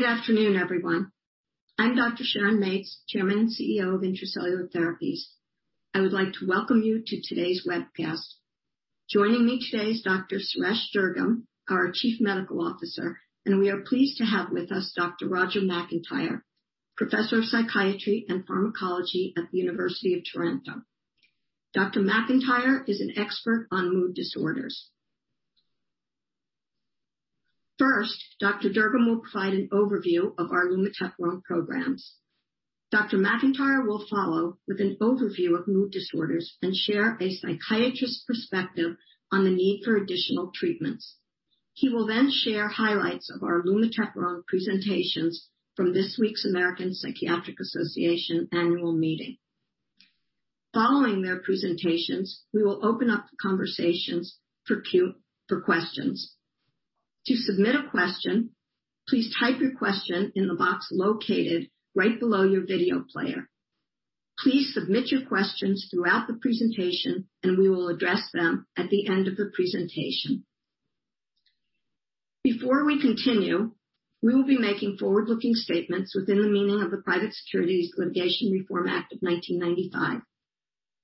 Good afternoon, everyone. I'm Dr. Sharon Mates, Chairman and CEO of Intra-Cellular Therapies. I would like to welcome you to today's webcast. Joining me today is Dr. Suresh Durgam, our Chief Medical Officer, and we are pleased to have with us Dr. Roger McIntyre, Professor of Psychiatry and Pharmacology at the University of Toronto. Dr. McIntyre is an expert on mood disorders. First, Dr. Durgam will provide an overview of our lumateperone programs. Dr. McIntyre will follow with an overview of mood disorders and share a psychiatrist's perspective on the need for additional treatments. He will share highlights of our lumateperone presentations from this week's American Psychiatric Association annual meeting. Following their presentations, we will open up the conversations for questions. To submit a question, please type your question in the box located right below your video player. Please submit your questions throughout the presentation, and we will address them at the end of the presentation. Before we continue, we will be making forward-looking statements within the meaning of the Private Securities Litigation Reform Act of 1995.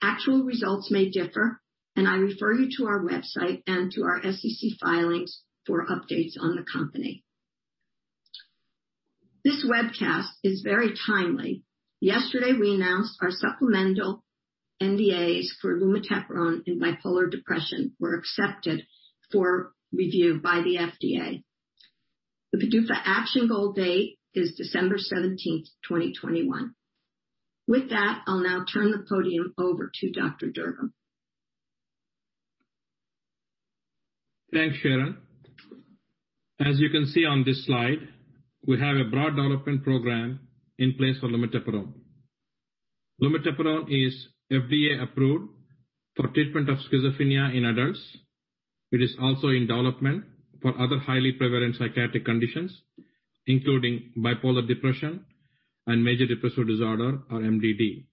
Actual results may differ. I refer you to our website and to our SEC filings for updates on the company. This webcast is very timely. Yesterday, we announced our supplemental NDAs for lumateperone and bipolar depression were accepted for review by the FDA. The PDUFA action goal date is December 17th, 2021. With that, I'll now turn the podium over to Dr. Durgam. Thanks, Sharon. As you can see on this slide, we have a broad development program in place for lumateperone. Lumateperone is FDA-approved for treatment of schizophrenia in adults. It is also in development for other highly prevalent psychiatric conditions, including bipolar depression and major depressive disorder, or MDD.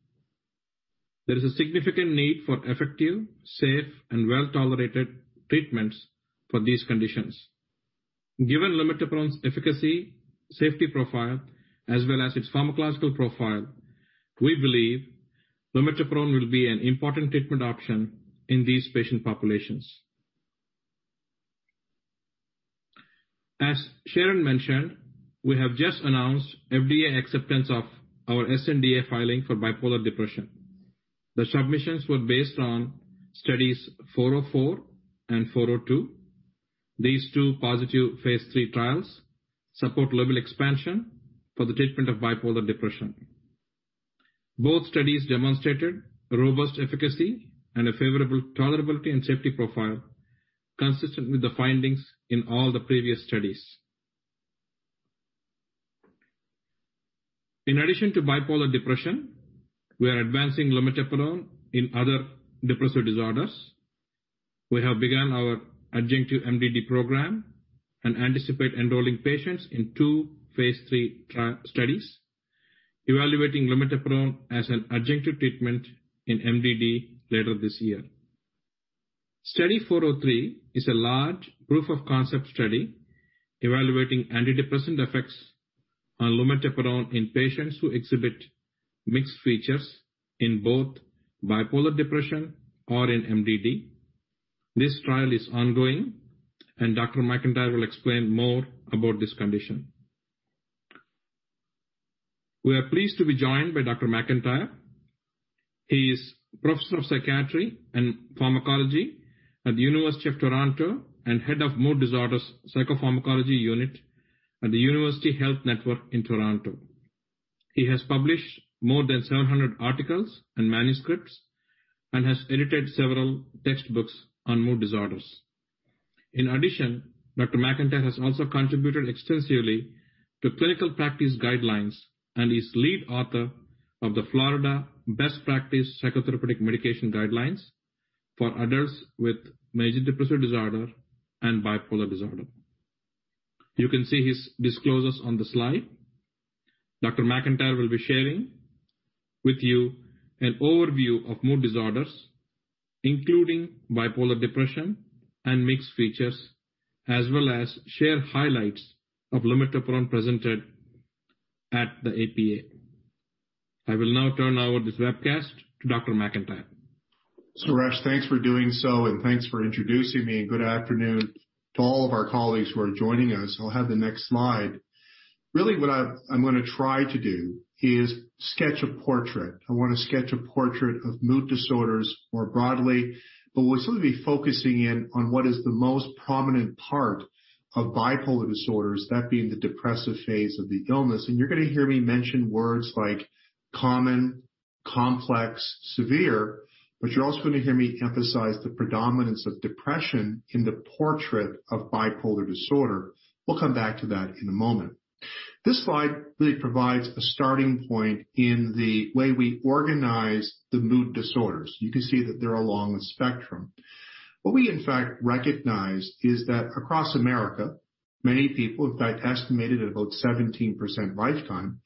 There is a significant need for effective, safe and well-tolerated treatments for these conditions. Given lumateperone's efficacy, safety profile, as well as its pharmacological profile, we believe lumateperone will be an important treatment option in these patient populations. As Sharon mentioned, we have just announced FDA acceptance of our sNDA filing for bipolar depression. The submissions were based on studies 404 and 402. These two positive phase III trials support label expansion for the treatment of bipolar depression. Both studies demonstrated robust efficacy and a favorable tolerability and safety profile, consistent with the findings in all the previous studies. In addition to bipolar depression, we are advancing lumateperone in other depressive disorders. We have begun our adjunctive MDD program and anticipate enrolling patients in two phase III studies evaluating lumateperone as an adjunctive treatment in MDD later this year. Study 403 is a large proof-of-concept study evaluating antidepressant effects on lumateperone in patients who exhibit mixed features in both bipolar depression or in MDD. This trial is ongoing, and Dr. McIntyre will explain more about this condition. We are pleased to be joined by Dr. McIntyre. He is Professor of Psychiatry and Pharmacology at the University of Toronto and Head of Mood Disorders Psychopharmacology Unit at the University Health Network in Toronto. He has published more than 700 articles and manuscripts and has edited several textbooks on mood disorders. In addition, Dr. McIntyre has also contributed extensively to clinical practice guidelines and is lead author of the "Florida Best Practice Psychotherapeutic Medication Guidelines for Adults with Major Depressive Disorder and Bipolar Disorder." You can see his disclosures on the slide. Dr. McIntyre will be sharing with you an overview of mood disorders, including bipolar depression and mixed features, as well as share highlights of lumateperone presented at the APA. I will now turn over this webcast to Dr. McIntyre. Suresh, thanks for doing so, and thanks for introducing me. Good afternoon to all of our colleagues who are joining us. I'll have the next slide. Really, what I'm going to try to do is sketch a portrait. I want to sketch a portrait of mood disorders more broadly, but we'll sort of be focusing in on what is the most prominent part of bipolar disorders, that being the depressive phase of the illness. You're going to hear me mention words like common, complex, severe, but you're also going to hear me emphasize the predominance of depression in the portrait of bipolar disorder. We'll come back to that in a moment. This slide really provides a starting point in the way we organize the mood disorders. You can see that they're along a spectrum. What we in fact recognize is that across America, many people, in fact, estimated at about 17% lifetime,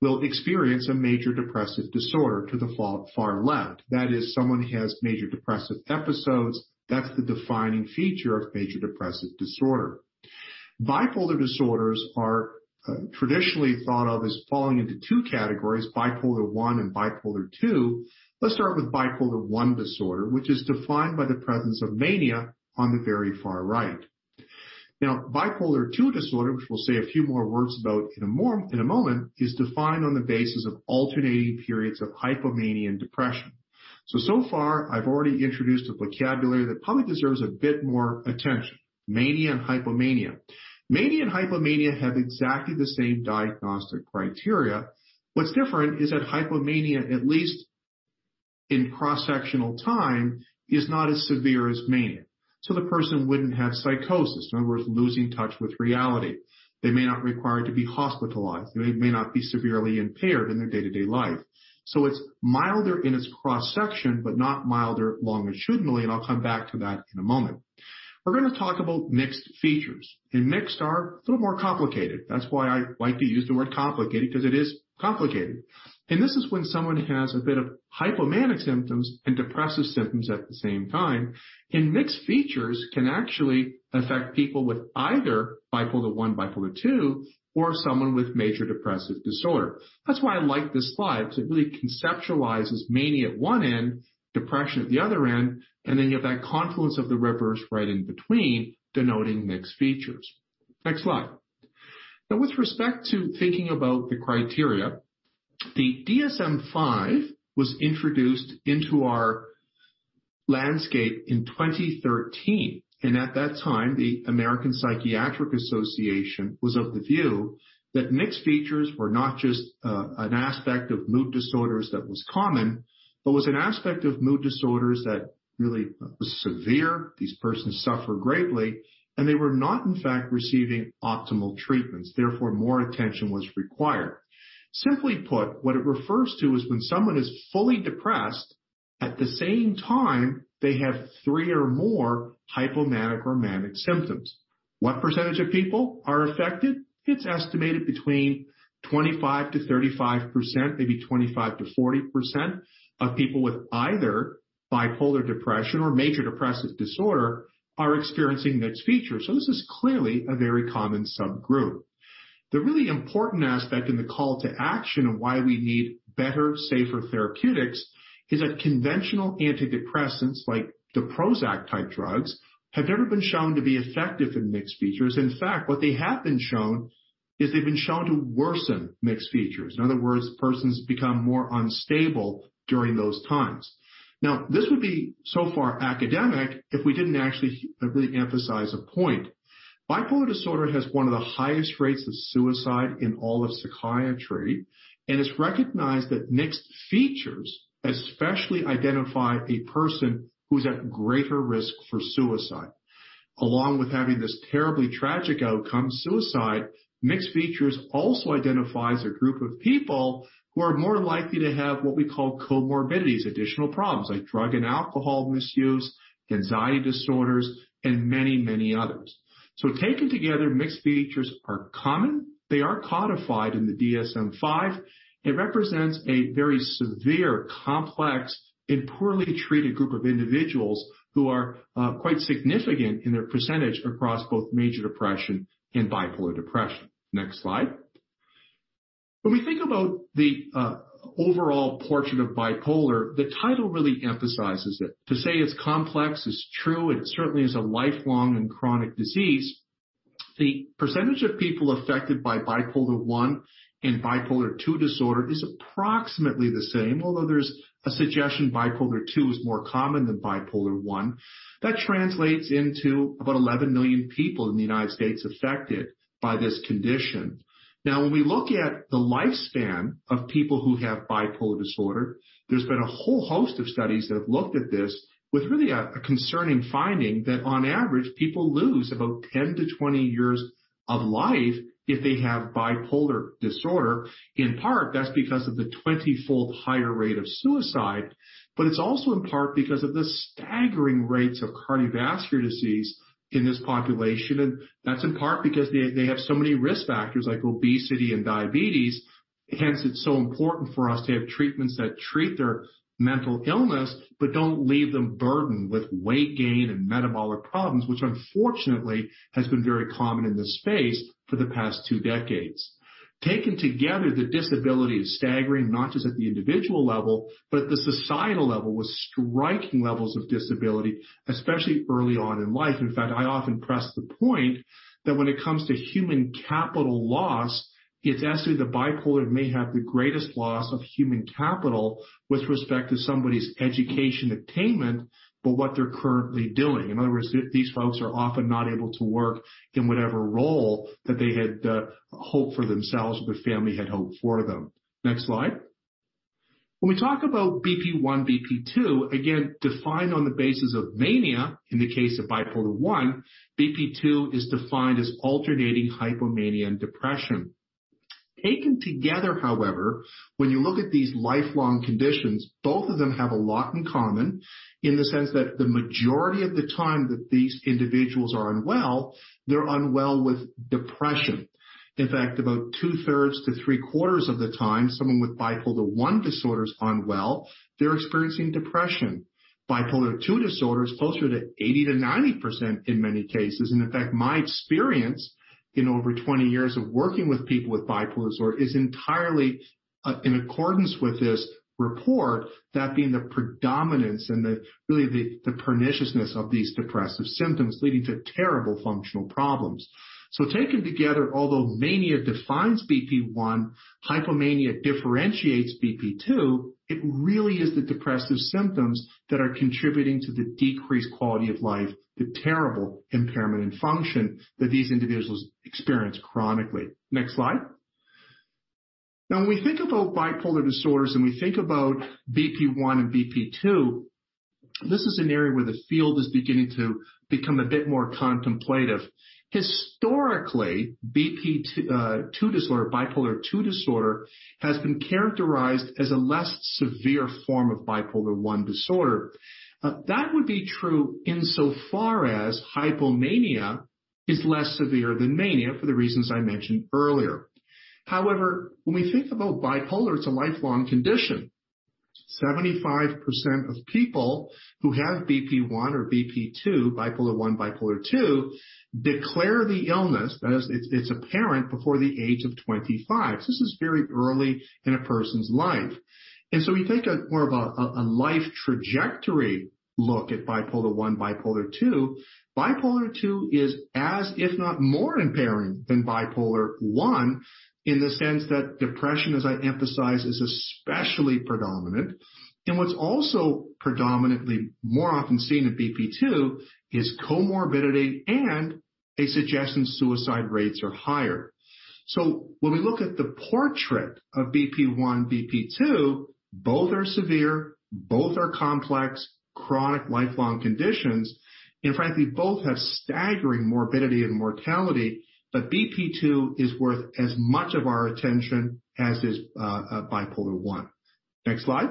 will experience a major depressive disorder to the far left. That is, someone has major depressive episodes. That's the defining feature of major depressive disorder. Bipolar disorders are traditionally thought of as falling into two categories, bipolar I and bipolar II. Let's start with bipolar I disorder, which is defined by the presence of mania on the very far right. Bipolar II disorder, which we'll say a few more words about in a moment, is defined on the basis of alternating periods of hypomania and depression. So far, I've already introduced a vocabulary that probably deserves a bit more attention, mania and hypomania. Mania and hypomania have exactly the same diagnostic criteria. What's different is that hypomania, at least in cross-sectional time, is not as severe as mania. The person wouldn't have psychosis. In other words, losing touch with reality. They may not require to be hospitalized. They may not be severely impaired in their day-to-day life. It's milder in its cross-section but not milder longitudinally, and I'll come back to that in a moment. We're going to talk about mixed features, mixed are a little more complicated. That's why I like to use the word complicated, because it is complicated. This is when someone has a bit of hypomanic symptoms and depressive symptoms at the same time. Mixed features can actually affect people with either bipolar I, bipolar II, or someone with major depressive disorder. That's why I like this slide, because it really conceptualizes mania at one end, depression at the other end, and then you have that confluence of the rivers right in between denoting mixed features. Next slide. With respect to thinking about the criteria, the DSM-5 was introduced into our landscape in 2013, at that time, the American Psychiatric Association was of the view that mixed features were not just an aspect of mood disorders that was common, but was an aspect of mood disorders that really was severe. These persons suffer greatly, they were not, in fact, receiving optimal treatments, therefore more attention was required. Simply put, what it refers to is when someone is fully depressed, at the same time they have three or more hypomanic or manic symptoms. What percentage of people are affected? It's estimated between 25%-35%, maybe 25%-40% of people with either bipolar depression or major depressive disorder are experiencing mixed features. This is clearly a very common subgroup. The really important aspect in the call to action of why we need better, safer therapeutics is that conventional antidepressants, like the Prozac type drugs, have never been shown to be effective in mixed features. They have been shown to worsen mixed features. Persons become more unstable during those times. This would be so far academic if we didn't actually really emphasize a point. Bipolar disorder has one of the highest rates of suicide in all of psychiatry. It's recognized that mixed features especially identify a person who's at greater risk for suicide. Along with having this terribly tragic outcome, suicide, mixed features also identifies a group of people who are more likely to have what we call comorbidities, additional problems like drug and alcohol misuse, anxiety disorders, and many, many others. Taken together, mixed features are common. They are codified in the DSM-5. It represents a very severe, complex, and poorly treated group of individuals who are quite significant in their percentage across both major depression and bipolar depression. Next slide. When we think about the overall portion of bipolar, the title really emphasizes it. To say it's complex is true, and it certainly is a lifelong and chronic disease. The percentage of people affected by bipolar I and bipolar II disorder is approximately the same, although there's a suggestion bipolar II is more common than bipolar I. That translates into about 11 million people in the United States affected by this condition. Now, when we look at the lifespan of people who have bipolar disorder, there's been a whole host of studies that have looked at this with really a concerning finding that on average, people lose about 10-20 years of life if they have bipolar disorder. It's also in part because of the 20-fold higher rate of suicide. It's also in part because of the staggering rates of cardiovascular disease in this population, and that's in part because they have so many risk factors like obesity and diabetes. Hence, it's so important for us to have treatments that treat their mental illness but don't leave them burdened with weight gain and metabolic problems, which unfortunately has been very common in this space for the past two decades. Taken together, the disability is staggering, not just at the individual level, but at the societal level, with striking levels of disability, especially early on in life. In fact, I often press the point that when it comes to human capital loss, it's estimated that bipolar may have the greatest loss of human capital with respect to somebody's education attainment, but what they're currently doing. In other words, these folks are often not able to work in whatever role that they had hoped for themselves or their family had hoped for them. Next slide. When we talk about BP1, BP2, again, defined on the basis of mania in the case of bipolar I, BP2 is defined as alternating hypomania and depression. Taken together, however, when you look at these lifelong conditions, both of them have a lot in common in the sense that the majority of the time that these individuals are unwell, they're unwell with depression. In fact, about two-thirds to three-quarters of the time someone with bipolar I disorder is unwell, they're experiencing depression. Bipolar II disorder is closer to 80%-90% in many cases. In fact, my experience in over 20 years of working with people with bipolar disorder is entirely in accordance with this report, that being the predominance and really the perniciousness of these depressive symptoms leading to terrible functional problems. Taken together, although mania defines BP1, hypomania differentiates BP2, it really is the depressive symptoms that are contributing to the decreased quality of life, the terrible impairment in function that these individuals experience chronically. Next slide. When we think about bipolar disorders, and we think about BP1 and BP2, this is an area where the field is beginning to become a bit more contemplative. Historically, bipolar II disorder has been characterized as a less severe form of bipolar I disorder. That would be true insofar as hypomania is less severe than mania, for the reasons I mentioned earlier. However, when we think about bipolar, it's a lifelong condition. 75% of people who have BP1 or BP2, bipolar I, bipolar II, declare the illness, that is, it's apparent before the age of 25. This is very early in a person's life. We take a more of a life trajectory look at bipolar I, bipolar II. Bipolar II is as, if not more impairing than bipolar I, in the sense that depression, as I emphasize, is especially predominant. What's also predominantly more often seen with BP2 is comorbidity and a suggestion suicide rates are higher. When we look at the portrait of BP1, BP2, both are severe, both are complex, chronic, lifelong conditions. Frankly, both have staggering morbidity and mortality, but BP2 is worth as much of our attention as is bipolar I. Next slide.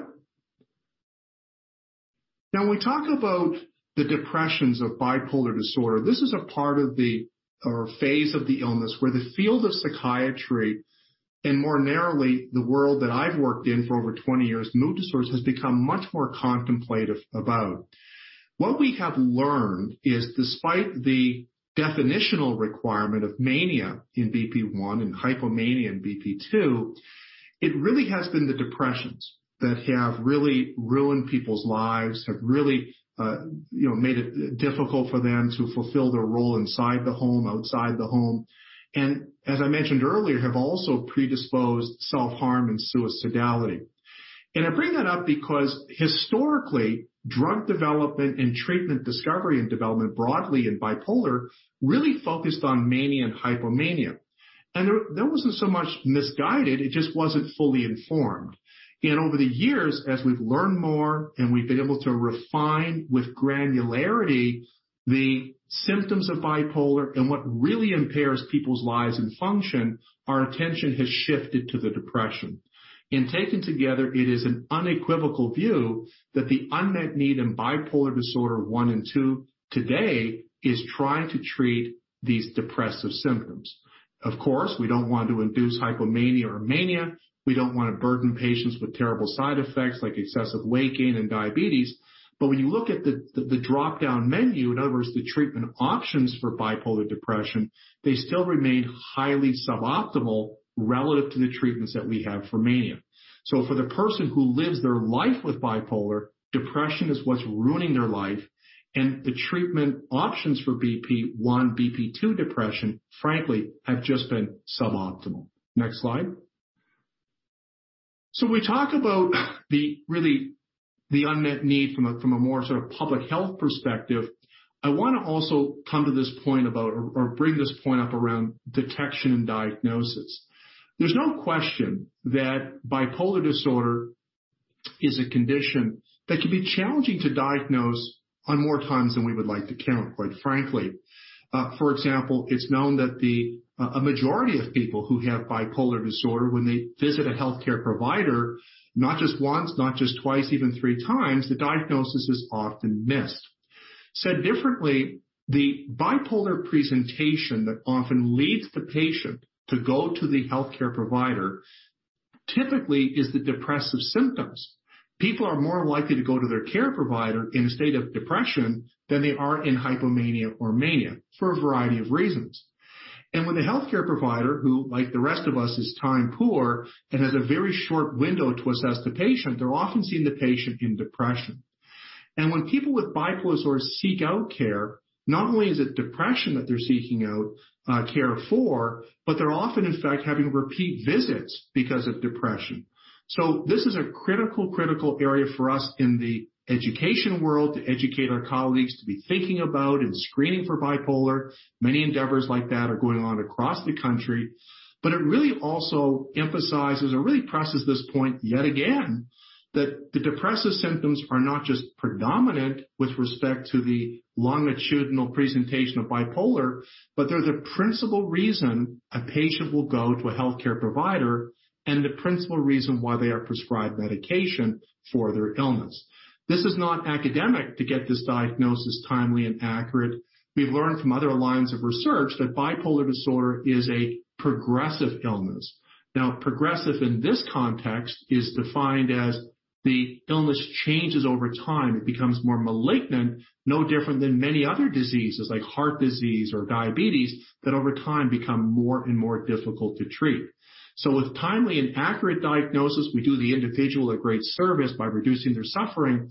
When we talk about the depressions of bipolar disorder, this is a part of the, or a phase of the illness where the field of psychiatry, and more narrowly, the world that I've worked in for over 20 years, mood disorders, has become much more contemplative about. What we have learned is despite the definitional requirement of mania in BP1 and hypomania in BP2, it really has been the depressions that have really ruined people's lives, have really made it difficult for them to fulfill their role inside the home, outside the home, and as I mentioned earlier, have also predisposed self-harm and suicidality. I bring that up because historically, drug development and treatment discovery and development broadly in bipolar really focused on mania and hypomania. That wasn't so much misguided, it just wasn't fully informed. Over the years, as we've learned more and we've been able to refine with granularity the symptoms of bipolar and what really impairs people's lives and function, our attention has shifted to the depression. Taken together, it is an unequivocal view that the unmet need in bipolar disorder I and II today is trying to treat these depressive symptoms. Of course, we don't want to induce hypomania or mania. We don't want to burden patients with terrible side effects like excessive weight gain and diabetes. When you look at the drop-down menu, in other words, the treatment options for bipolar depression, they still remain highly suboptimal relative to the treatments that we have for mania. For the person who lives their life with bipolar, depression is what's ruining their life, and the treatment options for BP1, BP2 depression, frankly, have just been suboptimal. Next slide. When we talk about the unmet need from a more public health perspective, I want to also bring this point up around detection and diagnosis. There's no question that bipolar disorder is a condition that can be challenging to diagnose on more times than we would like to count, quite frankly. For example, it's known that a majority of people who have bipolar disorder, when they visit a healthcare provider, not just once, not just twice, even three times, the diagnosis is often missed. Said differently, the bipolar presentation that often leads the patient to go to the healthcare provider typically is the depressive symptoms. People are more likely to go to their care provider in a state of depression than they are in hypomania or mania, for a variety of reasons. When the healthcare provider who, like the rest of us, is time poor and has a very short window to assess the patient, they're often seeing the patient in depression. When people with bipolar disorder seek out care, not only is it depression that they're seeking out care for, but they're often, in fact, having repeat visits because of depression. This is a critical area for us in the education world to educate our colleagues to be thinking about and screening for bipolar. Many endeavors like that are going on across the country. It really also emphasizes or really presses this point yet again, that the depressive symptoms are not just predominant with respect to the longitudinal presentation of bipolar, but they're the principal reason a patient will go to a healthcare provider and the principal reason why they are prescribed medication for their illness. This is not academic to get this diagnosis timely and accurate. We've learned from other lines of research that bipolar disorder is a progressive illness. Progressive in this context is defined as the illness changes over time. It becomes more malignant, no different than many other diseases like heart disease or diabetes, that over time become more and more difficult to treat. With timely and accurate diagnosis, we do the individual a great service by reducing their suffering.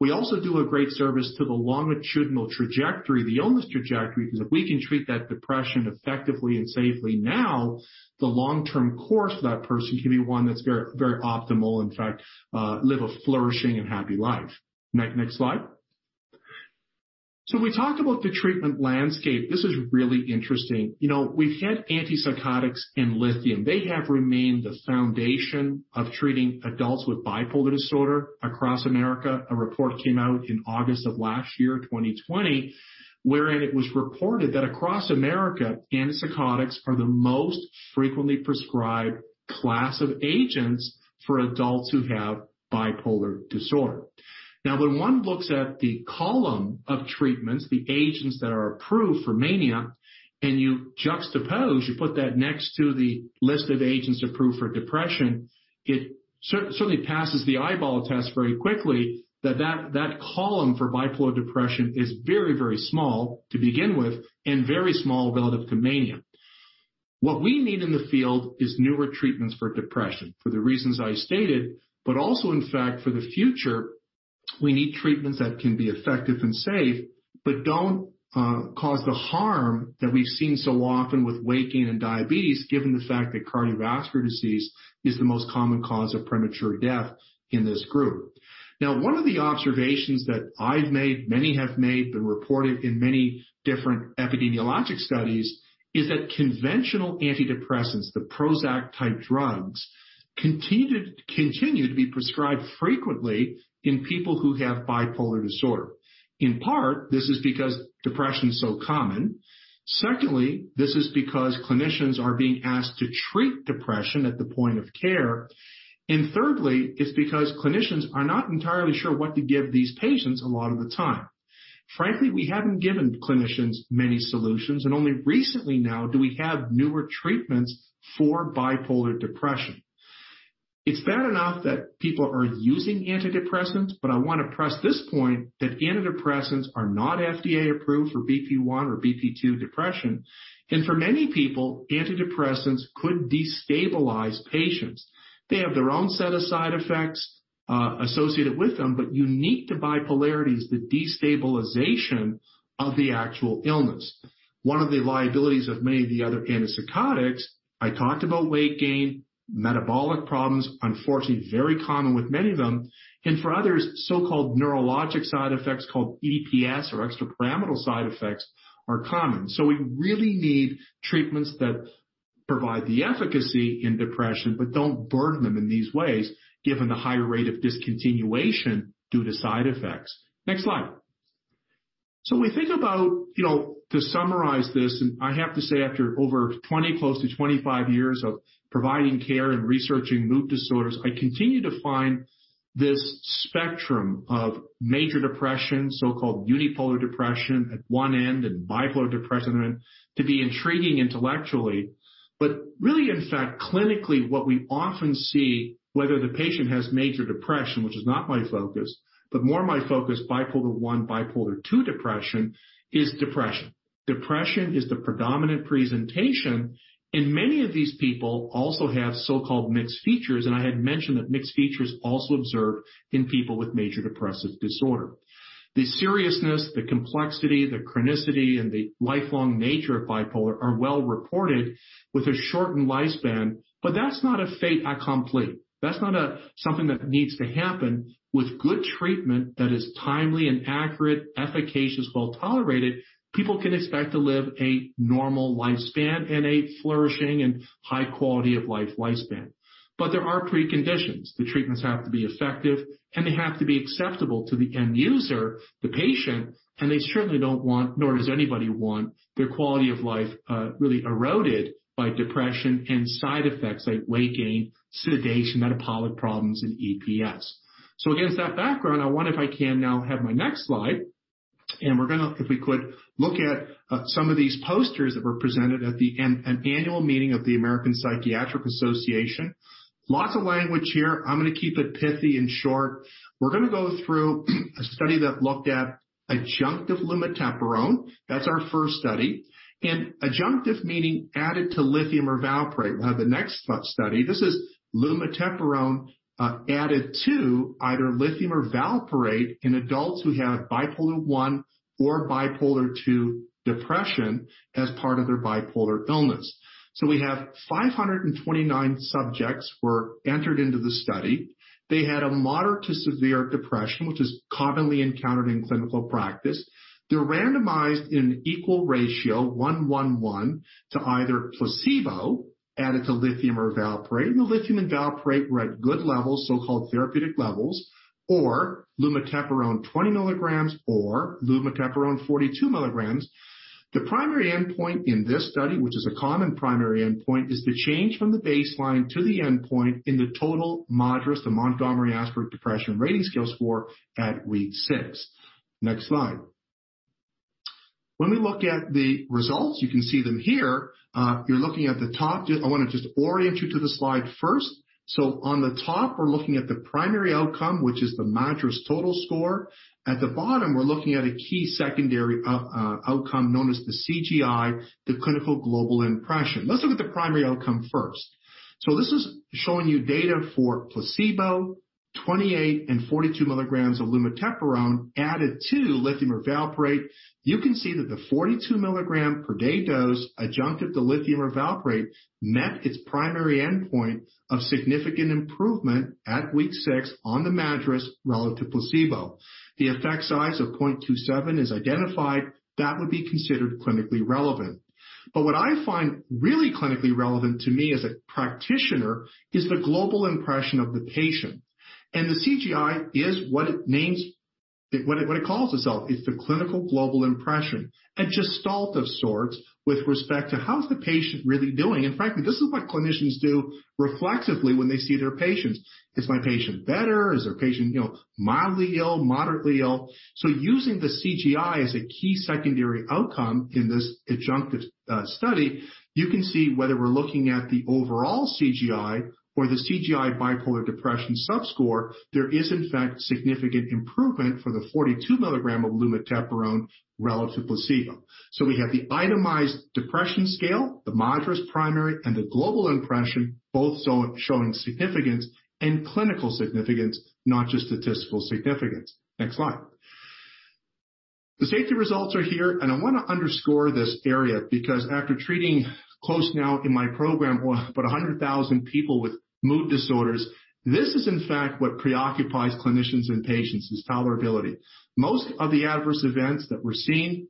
We also do a great service to the longitudinal trajectory, the illness trajectory, because if we can treat that depression effectively and safely now, the long-term course for that person can be one that's very optimal, in fact, live a flourishing and happy life. Next slide. We talked about the treatment landscape. This is really interesting. We've had antipsychotics and lithium. They have remained the foundation of treating adults with bipolar disorder across America. A report came out in August of last year, 2020, wherein it was reported that across America, antipsychotics are the most frequently prescribed class of agents for adults who have bipolar disorder. When one looks at the column of treatments, the agents that are approved for mania, and you juxtapose, you put that next to the list of agents approved for depression, it certainly passes the eyeball test very quickly that that column for bipolar depression is very, very small, to begin with, and very small relative to mania. What we need in the field is newer treatments for depression, for the reasons I stated, but also, in fact, for the future, we need treatments that can be effective and safe but don't cause the harm that we've seen so often with weight gain and diabetes, given the fact that cardiovascular disease is the most common cause of premature death in this group. Now, one of the observations that I've made, many have made, been reported in many different epidemiologic studies, is that conventional antidepressants, the Prozac-type drugs, continue to be prescribed frequently in people who have bipolar disorder. In part, this is because depression is so common. Secondly, this is because clinicians are being asked to treat depression at the point of care. Thirdly, it's because clinicians are not entirely sure what to give these patients a lot of the time. Frankly, we haven't given clinicians many solutions. Only recently now do we have newer treatments for bipolar depression. It's bad enough that people are using antidepressants. I want to press this point that antidepressants are not FDA-approved for BP1 or BP2 depression. For many people, antidepressants could destabilize patients. They have their own set of side effects associated with them. Unique to bipolarity is the destabilization of the actual illness. One of the liabilities of many of the other antipsychotics, I talked about weight gain, metabolic problems, unfortunately, very common with many of them. For others, so-called neurologic side effects called EPS or extrapyramidal side effects are common. We really need treatments that provide the efficacy in depression but don't burden them in these ways, given the high rate of discontinuation due to side effects. Next slide. We think about, to summarize this, and I have to say, after over 20, close to 25 years of providing care and researching mood disorders, I continue to find this spectrum of major depression, so-called unipolar depression at one end, and bipolar depression to be intriguing intellectually. Really, in fact, clinically, what we often see, whether the patient has major depression, which is not my focus, but more my focus, bipolar I, bipolar II depression, is depression. Depression is the predominant presentation, and many of these people also have so-called mixed features, and I had mentioned that mixed features also observed in people with major depressive disorder. The seriousness, the complexity, the chronicity, and the lifelong nature of bipolar are well reported with a shortened lifespan, but that's not a fait accompli. That's not something that needs to happen. With good treatment that is timely and accurate, efficacious, well-tolerated, people can expect to live a normal lifespan and a flourishing and high-quality of life lifespan. There are preconditions. The treatments have to be effective, and they have to be acceptable to the end user, the patient, and they certainly don't want, nor does anybody want, their quality of life really eroded by depression and side effects like weight gain, sedation, metabolic problems, and EPS. Against that background, I wonder if I can now have my next slide, and we're going to, if we could, look at some of these posters that were presented at the annual meeting of the American Psychiatric Association. Lots of language here. I'm going to keep it pithy and short. We're going to go through a study that looked at adjunctive lumateperone. That's our first study. Adjunctive meaning added to lithium or valproate. We will have the next study. This is lumateperone added to either lithium or valproate in adults who have bipolar I or bipolar II depression as part of their bipolar illness. We have 529 subjects were entered into the study. They had a moderate to severe depression, which is commonly encountered in clinical practice. They're randomized in equal ratio, 1:1:1, to either placebo added to lithium or valproate. The lithium and valproate were at good levels, so-called therapeutic levels, or lumateperone 20 mg or lumateperone 42 mg. The primary endpoint in this study, which is a common primary endpoint, is the change from the baseline to the endpoint in the total MADRS, the Montgomery-Åsberg Depression Rating Scale score at week six. Next slide. When we look at the results, you can see them here. You're looking at the top. I want to just orient you to the slide first. On the top, we're looking at the primary outcome, which is the MADRS total score. At the bottom, we're looking at a key secondary outcome known as the CGI, the Clinical Global Impression. Let's look at the primary outcome first. This is showing you data for placebo, 28 mg and 42 mg of lumateperone added to lithium or valproate. You can see that the 42 mg per day dose adjunctive to lithium or valproate met its primary endpoint of significant improvement at week six on the MADRS relative placebo. The effect size of 0.27 is identified. That would be considered clinically relevant. What I find really clinically relevant to me as a practitioner is the global impression of the patient. The CGI is what it calls itself. It's the Clinical Global Impression, a gestalt of sorts with respect to how is the patient really doing, and frankly, this is what clinicians do reflexively when they see their patients. Is my patient better? Is their patient mildly ill, moderately ill? Using the CGI as a key secondary outcome in this adjunctive study, you can see whether we're looking at the overall CGI or the CGI bipolar depression sub-score, there is in fact significant improvement for the 42 mg of lumateperone relative placebo. We have the itemized depression scale, the MADRS primary, and the global impression, both showing significance and clinical significance, not just statistical significance. Next slide. The safety results are here, and I want to underscore this area because after treating close now in my program, about 100,000 people with mood disorders, this is in fact what preoccupies clinicians and patients is tolerability. Most of the adverse events that we're seeing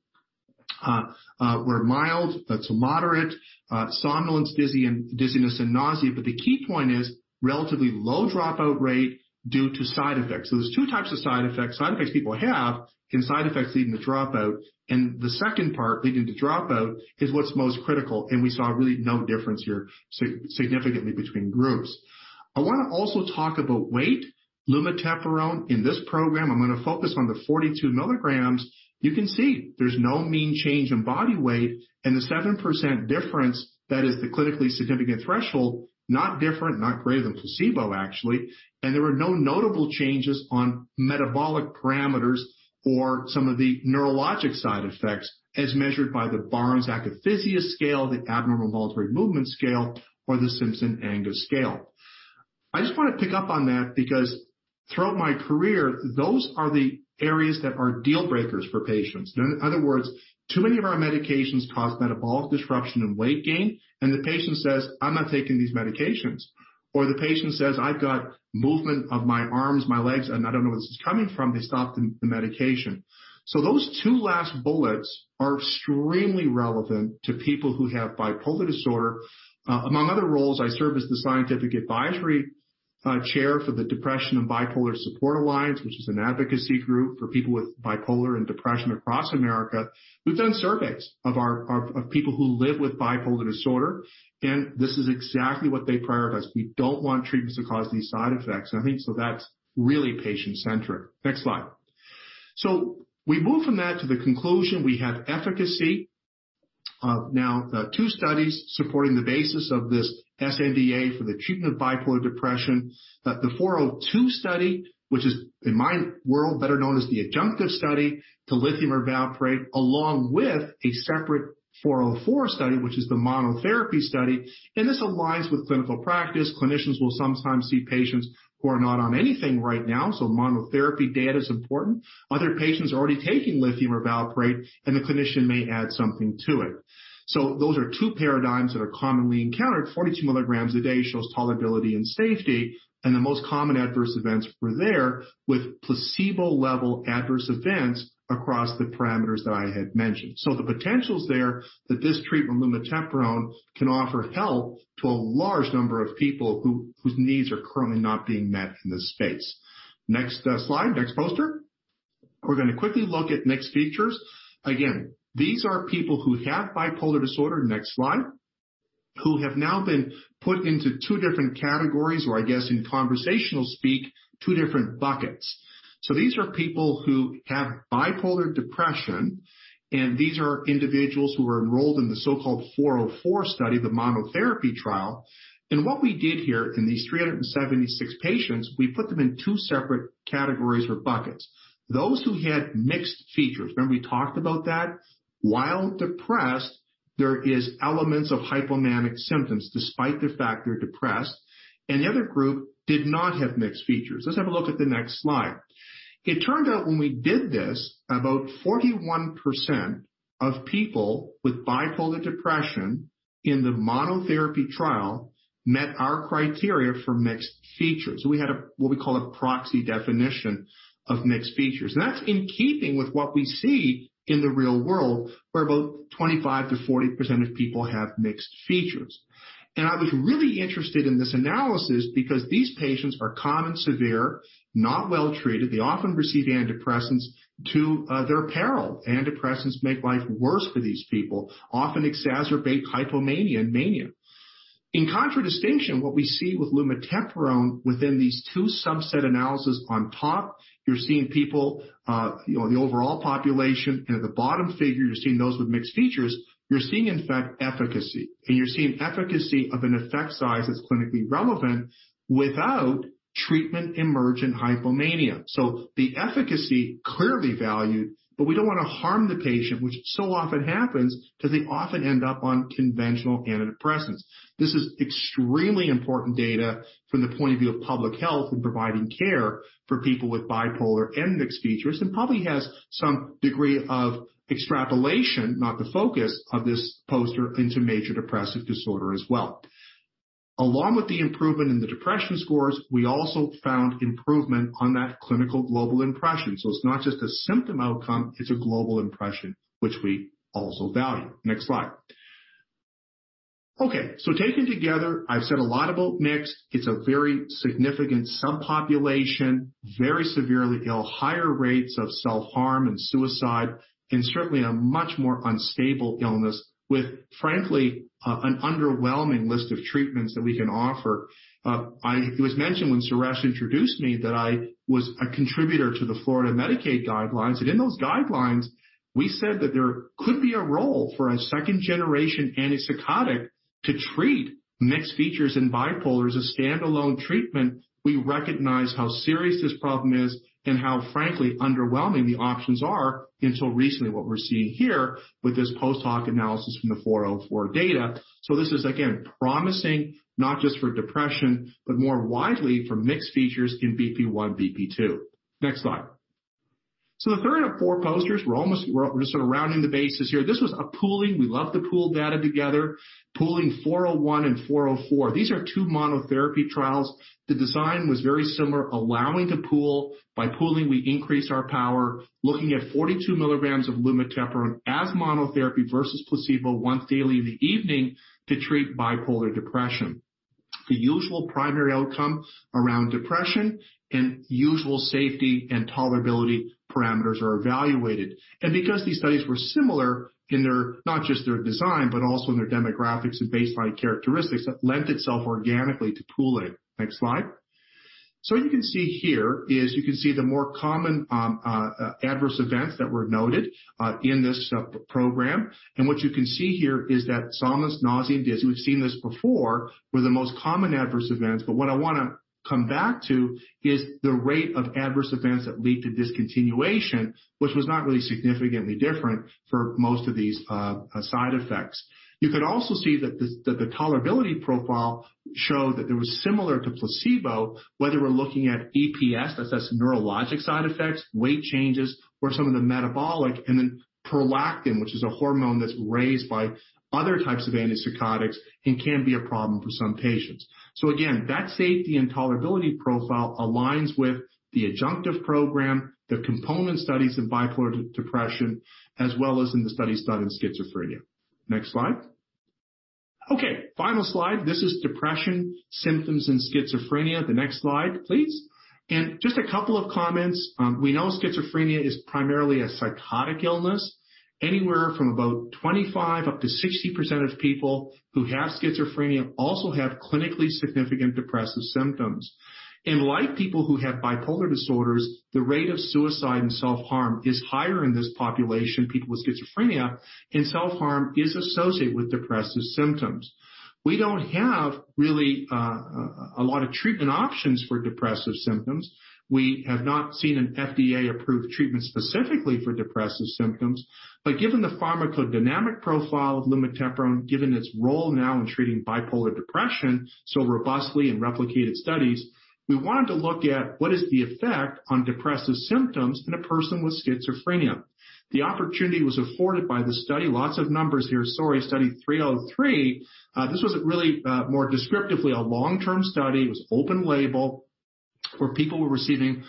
were mild to moderate, somnolence, dizziness, and nausea. The key point is relatively low dropout rate due to side effects. There's two types of side effects, side effects people have, and side effects leading to dropout, and the second part leading to dropout is what's most critical, and we saw really no difference here significantly between groups. I want to also talk about weight. Lumateperone in this program, I'm going to focus on the 42 mg. You can see there's no mean change in body weight and the 7% difference, that is the clinically significant threshold, not different, not greater than placebo, actually. There were no notable changes on metabolic parameters or some of the neurologic side effects as measured by the Barnes Akathisia Scale, the Abnormal Involuntary Movement Scale, or the Simpson-Angus Scale. I just want to pick up on that because throughout my career, those are the areas that are deal breakers for patients. In other words, too many of our medications cause metabolic disruption and weight gain, and the patient says, "I'm not taking these medications." The patient says, "I've got movement of my arms, my legs, and I don't know where this is coming from." They stop the medication. Those two last bullets are extremely relevant to people who have bipolar disorder. Among other roles, I serve as the Scientific Advisory Chair for the Depression and Bipolar Support Alliance, which is an advocacy group for people with bipolar and depression across America. We've done surveys of people who live with bipolar disorder. This is exactly what they prioritize. We don't want treatments to cause these side effects. I think that's really patient-centric. Next slide. We move from that to the conclusion. We have efficacy. Now, two studies supporting the basis of this sNDA for the treatment of bipolar depression, that the 402 study, which is, in my world, better known as the adjunctive study to lithium or valproate, along with a separate 404 study, which is the monotherapy study, and this aligns with clinical practice. Clinicians will sometimes see patients who are not on anything right now, so monotherapy data is important. Other patients are already taking lithium or valproate, and the clinician may add something to it. Those are two paradigms that are commonly encountered. 42 mg a day shows tolerability and safety, and the most common adverse events were there with placebo-level adverse events across the parameters that I had mentioned. The potential is there that this treatment, lumateperone, can offer help to a large number of people whose needs are currently not being met in this space. Next slide. Next poster. We're going to quickly look at mixed features. Again, these are people who have bipolar disorder, next slide, who have now been put into two different categories, or I guess in conversational speak, two different buckets. These are people who have bipolar depression, and these are individuals who were enrolled in the so-called 404 study, the monotherapy trial. What we did here in these 376 patients, we put them in two separate categories or buckets. Those who had mixed features. Remember we talked about that? While depressed, there is elements of hypomanic symptoms despite the fact they're depressed, and the other group did not have mixed features. Let's have a look at the next slide. It turned out when we did this, about 41% of people with bipolar depression in the monotherapy trial met our criteria for mixed features. We had what we call a proxy definition of mixed features. That's in keeping with what we see in the real world, where about 25%-40% of people have mixed features. I was really interested in this analysis because these patients are common, severe, not well-treated. They often receive antidepressants to their peril. Antidepressants make life worse for these people, often exacerbate hypomania and mania. In contradistinction, what we see with lumateperone within these two subset analyses on top, you're seeing people, the overall population. At the bottom figure, you're seeing those with mixed features. You're seeing, in fact, efficacy. You're seeing efficacy of an effect size that's clinically relevant without treatment-emergent hypomania. The efficacy clearly valued, but we don't want to harm the patient, which so often happens because they often end up on conventional antidepressants. This is extremely important data from the point of view of public health in providing care for people with bipolar and mixed features, and probably has some degree of extrapolation, not the focus of this poster, into Major Depressive Disorder as well. Along with the improvement in the depression scores, we also found improvement on that Clinical Global Impression. It's not just a symptom outcome, it's a global impression, which we also value. Next slide. Taken together, I've said a lot about mixed. It's a very significant subpopulation, very severely ill, higher rates of self-harm and suicide, and certainly a much more unstable illness with, frankly, an underwhelming list of treatments that we can offer. It was mentioned when Suresh introduced me that I was a contributor to the Florida Medicaid guidelines, and in those guidelines, we said that there could be a role for a second-generation antipsychotic to treat mixed features in bipolar as a standalone treatment. We recognize how serious this problem is and how, frankly, underwhelming the options are until recently, what we're seeing here with this post-hoc analysis from the 404 data. This is, again, promising, not just for depression, but more widely for mixed features in BP1, BP2. Next slide. The third of four posters, we're just sort of rounding the bases here. This was a pooling. We love to pool data together, pooling 401 and 404. These are two monotherapy trials. The design was very similar, allowing to pool. By pooling, we increase our power. Looking at 42 mg of lumateperone as monotherapy versus placebo once daily in the evening to treat bipolar depression. The usual primary outcome around depression and usual safety and tolerability parameters are evaluated. Because these studies were similar in not just their design, but also in their demographics and baseline characteristics, that lent itself organically to pooling. Next slide. What you can see here is you can see the more common adverse events that were noted in this program. What you can see here is that somnolence, nausea, and dizziness, we've seen this before, were the most common adverse events. What I want to come back to is the rate of adverse events that lead to discontinuation, which was not really significantly different for most of these side effects. You can also see that the tolerability profile showed that it was similar to placebo, whether we're looking at EPS, that's those neurologic side effects, weight changes, or some of the metabolic, and then prolactin, which is a hormone that's raised by other types of antipsychotics and can be a problem for some patients. Again, that safety and tolerability profile aligns with the adjunctive program, the component studies in bipolar depression, as well as in the study done in schizophrenia. Next slide. Okay, final slide. This is depression symptoms in schizophrenia. The next slide, please. Just a couple of comments. We know schizophrenia is primarily a psychotic illness. Anywhere from about 25% up to 60% of people who have schizophrenia also have clinically significant depressive symptoms. Like people who have bipolar disorders, the rate of suicide and self-harm is higher in this population, people with schizophrenia, and self-harm is associated with depressive symptoms. We don't have really a lot of treatment options for depressive symptoms. We have not seen an FDA-approved treatment specifically for depressive symptoms. Given the pharmacodynamic profile of lumateperone, given its role now in treating bipolar depression so robustly in replicated studies, we wanted to look at what is the effect on depressive symptoms in a person with schizophrenia. The opportunity was afforded by the study, lots of numbers here, sorry, Study 303. This was really, more descriptively, a long-term study. It was open label, where people were receiving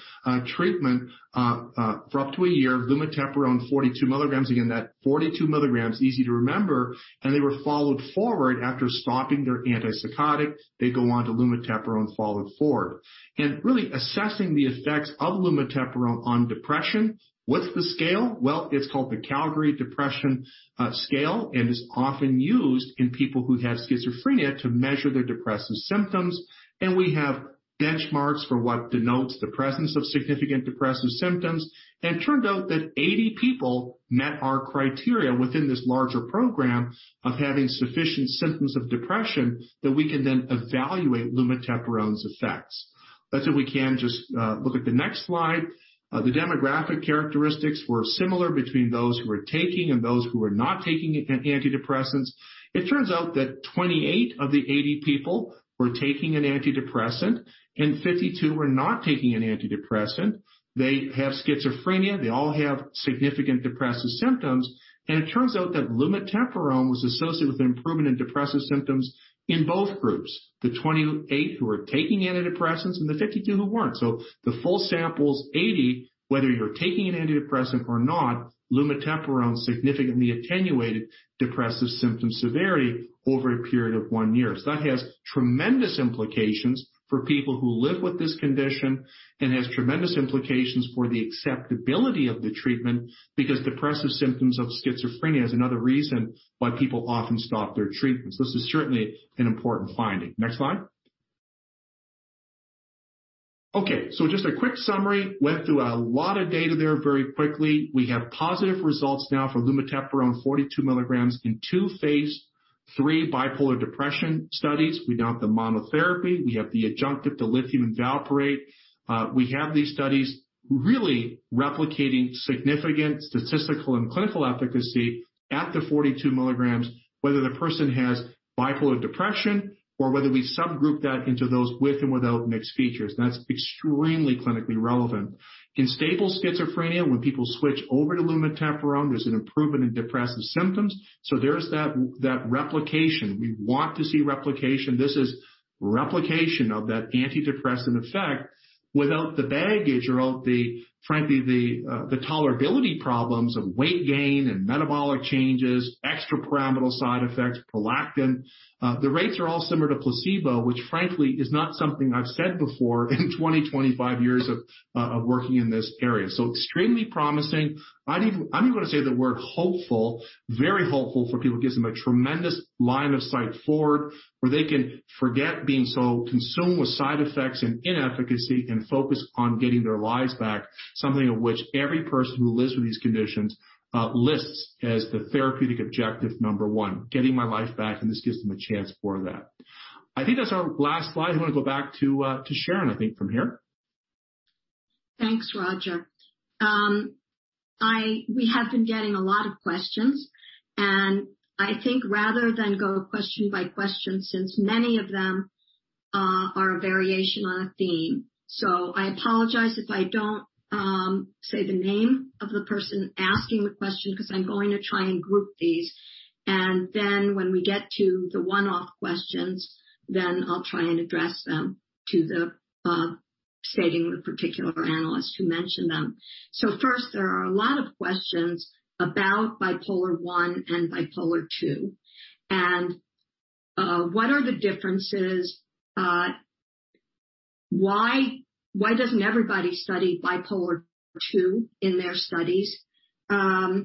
treatment for up to a year, lumateperone 42 mg. Again, that 42 mg, easy to remember, and they were followed forward after stopping their antipsychotic. They go on to lumateperone followed forward. Really assessing the effects of lumateperone on depression. What's the scale? It's called the Calgary Depression Scale and is often used in people who have schizophrenia to measure their depressive symptoms. We have benchmarks for what denotes the presence of significant depressive symptoms. It turned out that 80 people met our criteria within this larger program of having sufficient symptoms of depression that we can then evaluate lumateperone's effects. Let's see if we can just look at the next slide. The demographic characteristics were similar between those who were taking and those who were not taking antidepressants. It turns out that 28 of the 80 people were taking an antidepressant, and 52 were not taking an antidepressant. They have schizophrenia. They all have significant depressive symptoms. It turns out that lumateperone was associated with an improvement in depressive symptoms in both groups, the 28 who were taking antidepressants and the 52 who weren't. The full sample is 80. Whether you're taking an antidepressant or not, lumateperone significantly attenuated depressive symptom severity over a period of one year. That has tremendous implications for people who live with this condition and has tremendous implications for the acceptability of the treatment because depressive symptoms of schizophrenia is another reason why people often stop their treatments. This is certainly an important finding. Next slide. Okay, just a quick summary. Went through a lot of data there very quickly. We have positive results now for lumateperone 42 mg in two phase III bipolar depression studies. We have the monotherapy; we have the adjunctive to lithium and valproate. We have these studies really replicating significant statistical and clinical efficacy at the 42 mg, whether the person has bipolar depression or whether we subgroup that into those with and without mixed features. That's extremely clinically relevant. In stable schizophrenia, when people switch over to lumateperone, there's an improvement in depressive symptoms. There's that replication. We want to see replication. This is replication of that antidepressant effect without the baggage or frankly, the tolerability problems of weight gain and metabolic changes, extrapyramidal side effects, prolactin. The rates are all similar to placebo, which frankly is not something I've said before in 20, 25 years of working in this area. Extremely promising. I'm even going to say the word hopeful, very hopeful for people. Gives them a tremendous line of sight forward, where they can forget being so consumed with side effects and inefficacy and focus on getting their lives back, something of which every person who lives with these conditions lists as the therapeutic objective number one, getting my life back, this gives them a chance for that. I think that's our last slide. I'm going to go back to Sharon, I think from here. Thanks, Roger. We have been getting a lot of questions, and I think rather than go question by question, since many of them are a variation on a theme. I apologize if I don't say the name of the person asking the question, because I'm going to try and group these, and then when we get to the one-off questions, then I'll try and address them to the particular analyst who mentioned them. First, there are a lot of questions about bipolar I and bipolar II, and what are the differences? Why doesn't everybody study bipolar II in their studies? That's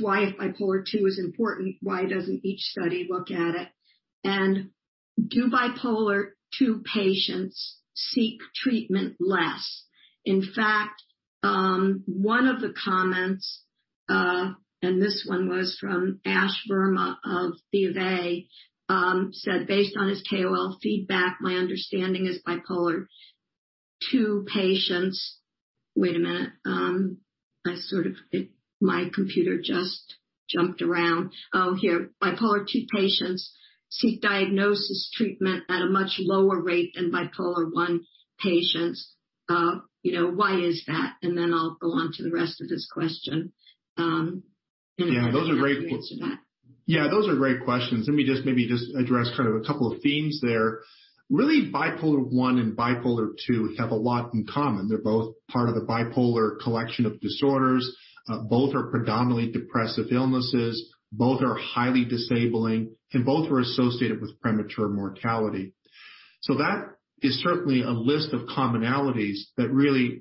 why, if Bipolar II is important, why doesn't each study look at it, and do Bipolar II patients seek treatment less? In fact, one of the comments, and this one was from Ash Verma of BofA, said, "Based on his KOL feedback, my understanding is bipolar II patients" Wait a minute. My computer just jumped around. Oh, here. "Bipolar II patients seek diagnosis treatment at a much lower rate than bipolar I patients. Why is that?" Then I'll go on to the rest of this question. Yeah, those are great questions. Let me just maybe just address kind of a couple of themes there. Bipolar I and bipolar II have a lot in common. They're both part of the bipolar collection of disorders. Both are predominantly depressive illnesses. Both are highly disabling, and both are associated with premature mortality. That is certainly a list of commonalities that really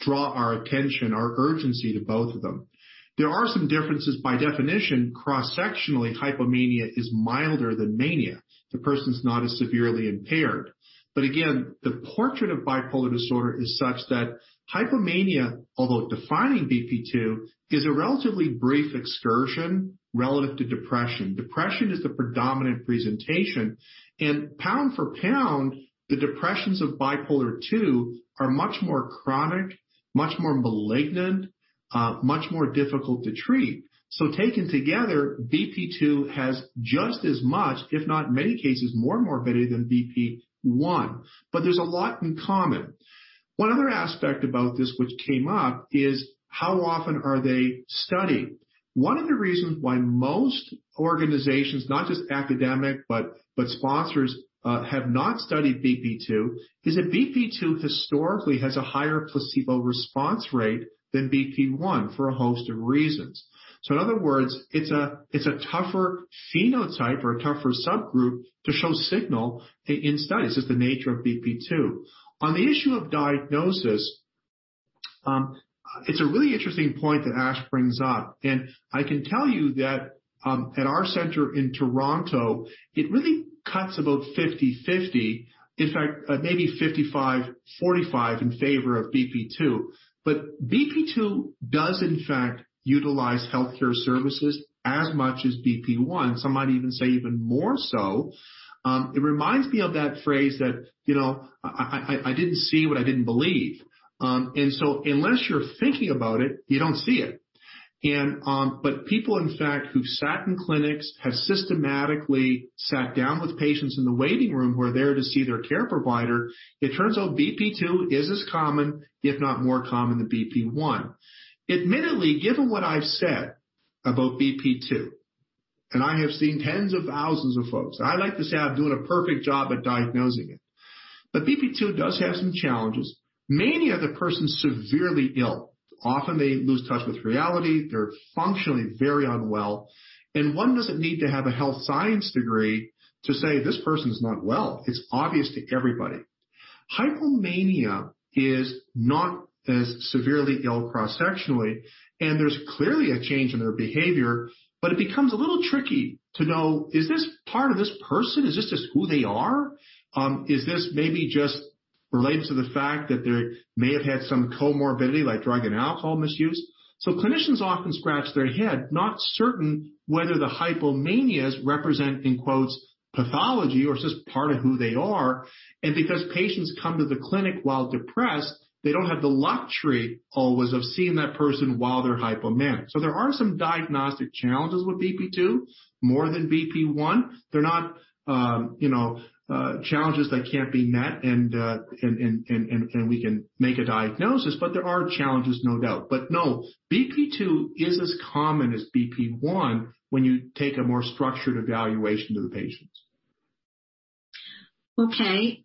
draw our attention, our urgency to both of them. There are some differences by definition. Cross-sectionally, hypomania is milder than mania. The person's not as severely impaired. Again, the portrait of bipolar disorder is such that hypomania, although defining BP2, is a relatively brief excursion relative to depression. Depression is the predominant presentation, and pound for pound, the depressions of bipolar II are much more chronic, much more malignant, much more difficult to treat. Taken together, BP2 has just as much, if not in many cases, more morbidity than BP1. There's a lot in common. One other aspect about this which came up is how often are they studied? One of the reasons why most organizations, not just academic but sponsors, have not studied BP2 is that BP2 historically has a higher placebo response rate than BP1 for a host of reasons. In other words, it's a tougher phenotype or a tougher subgroup to show signal in studies. It's the nature of BP2. On the issue of diagnosis, it's a really interesting point that Ash brings up. I can tell you that at our center in Toronto, it really cuts about 50/50. In fact, maybe 55/45 in favor of BP2. BP2 does in fact utilize healthcare services as much as BP1. Some might even say even more so. It reminds me of that phrase that, I didn't see what I didn't believe. Unless you're thinking about it, you don't see it. People, in fact, who've sat in clinics, have systematically sat down with patients in the waiting room who are there to see their care provider, it turns out BP2 is as common, if not more common than BP1. Admittedly, given what I've said about BP2, and I have seen tens of thousands of folks. I like to say I'm doing a perfect job at diagnosing it. BP2 does have some challenges. Mania, the person's severely ill. Often, they lose touch with reality. They're functionally very unwell, and one doesn't need to have a health science degree to say, "This person's not well." It's obvious to everybody. Hypomania is not as severely ill cross-sectionally, and there's clearly a change in their behavior, but it becomes a little tricky to know, is this part of this person? Is this just who they are? Is this maybe just related to the fact that they may have had some comorbidity, like drug and alcohol misuse? Clinicians often scratch their head, not certain whether the hypomania is representing "pathology" or is this part of who they are. Because patients come to the clinic while depressed, they don't have the luxury always of seeing that person while they're hypomanic. There are some diagnostic challenges with BP2, more than BP1. They're not challenges that can't be met, and we can make a diagnosis, but there are challenges, no doubt. No, BP2 is as common as BP1 when you take a more structured evaluation to the patients. Okay.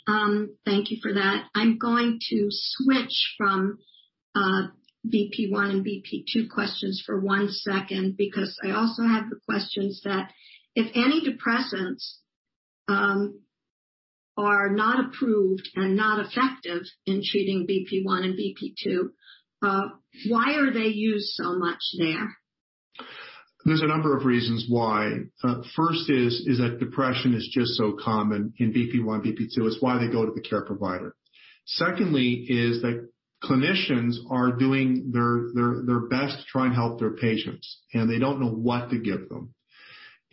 Thank you for that. I'm going to switch from BP1 and BP2 questions for one second, because I also have the questions that, if antidepressants are not approved and not effective in treating BP1 and BP2, why are they used so much there? There's a number of reasons why. First is that depression is just so common in BP1, BP2. It's why they go to the care provider. Secondly, is that clinicians are doing their best to try and help their patients, and they don't know what to give them.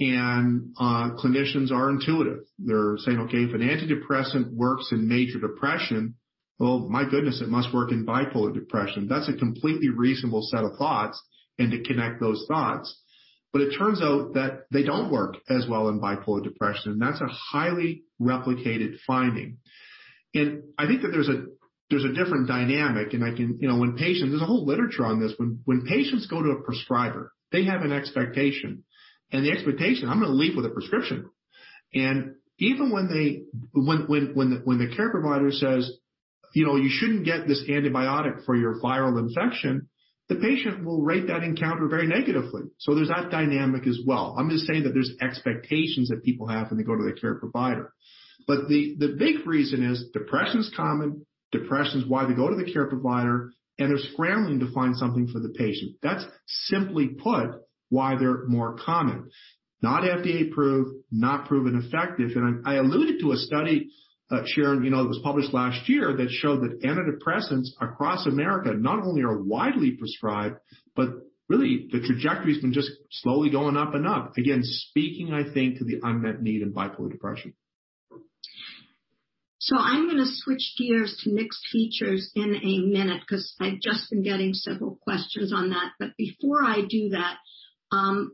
Clinicians are intuitive. They're saying, "Okay, if an antidepressant works in major depression, well, my goodness, it must work in bipolar depression." That's a completely reasonable set of thoughts, and to connect those thoughts. It turns out that they don't work as well in bipolar depression, and that's a highly replicated finding. I think that there's a different dynamic, and there's a whole literature on this. When patients go to a prescriber, they have an expectation. The expectation, I'm going to leave with a prescription. Even when the care provider says, "You shouldn't get this antibiotic for your viral infection," the patient will rate that encounter very negatively. There's that dynamic as well. I'm just saying that there's expectations that people have when they go to the care provider. The big reason is depression is common, depression is why they go to the care provider, and they're scrambling to find something for the patient. That's simply put why they're more common. Not FDA-approved, not proven effective. I alluded to a study, Sharon, that was published last year that showed that antidepressants across America not only are widely prescribed, but really the trajectory has been just slowly going up and up. Again, speaking, I think, to the unmet need in bipolar depression. I'm going to switch gears to mixed features in a minute because I've just been getting several questions on that. Before I do that,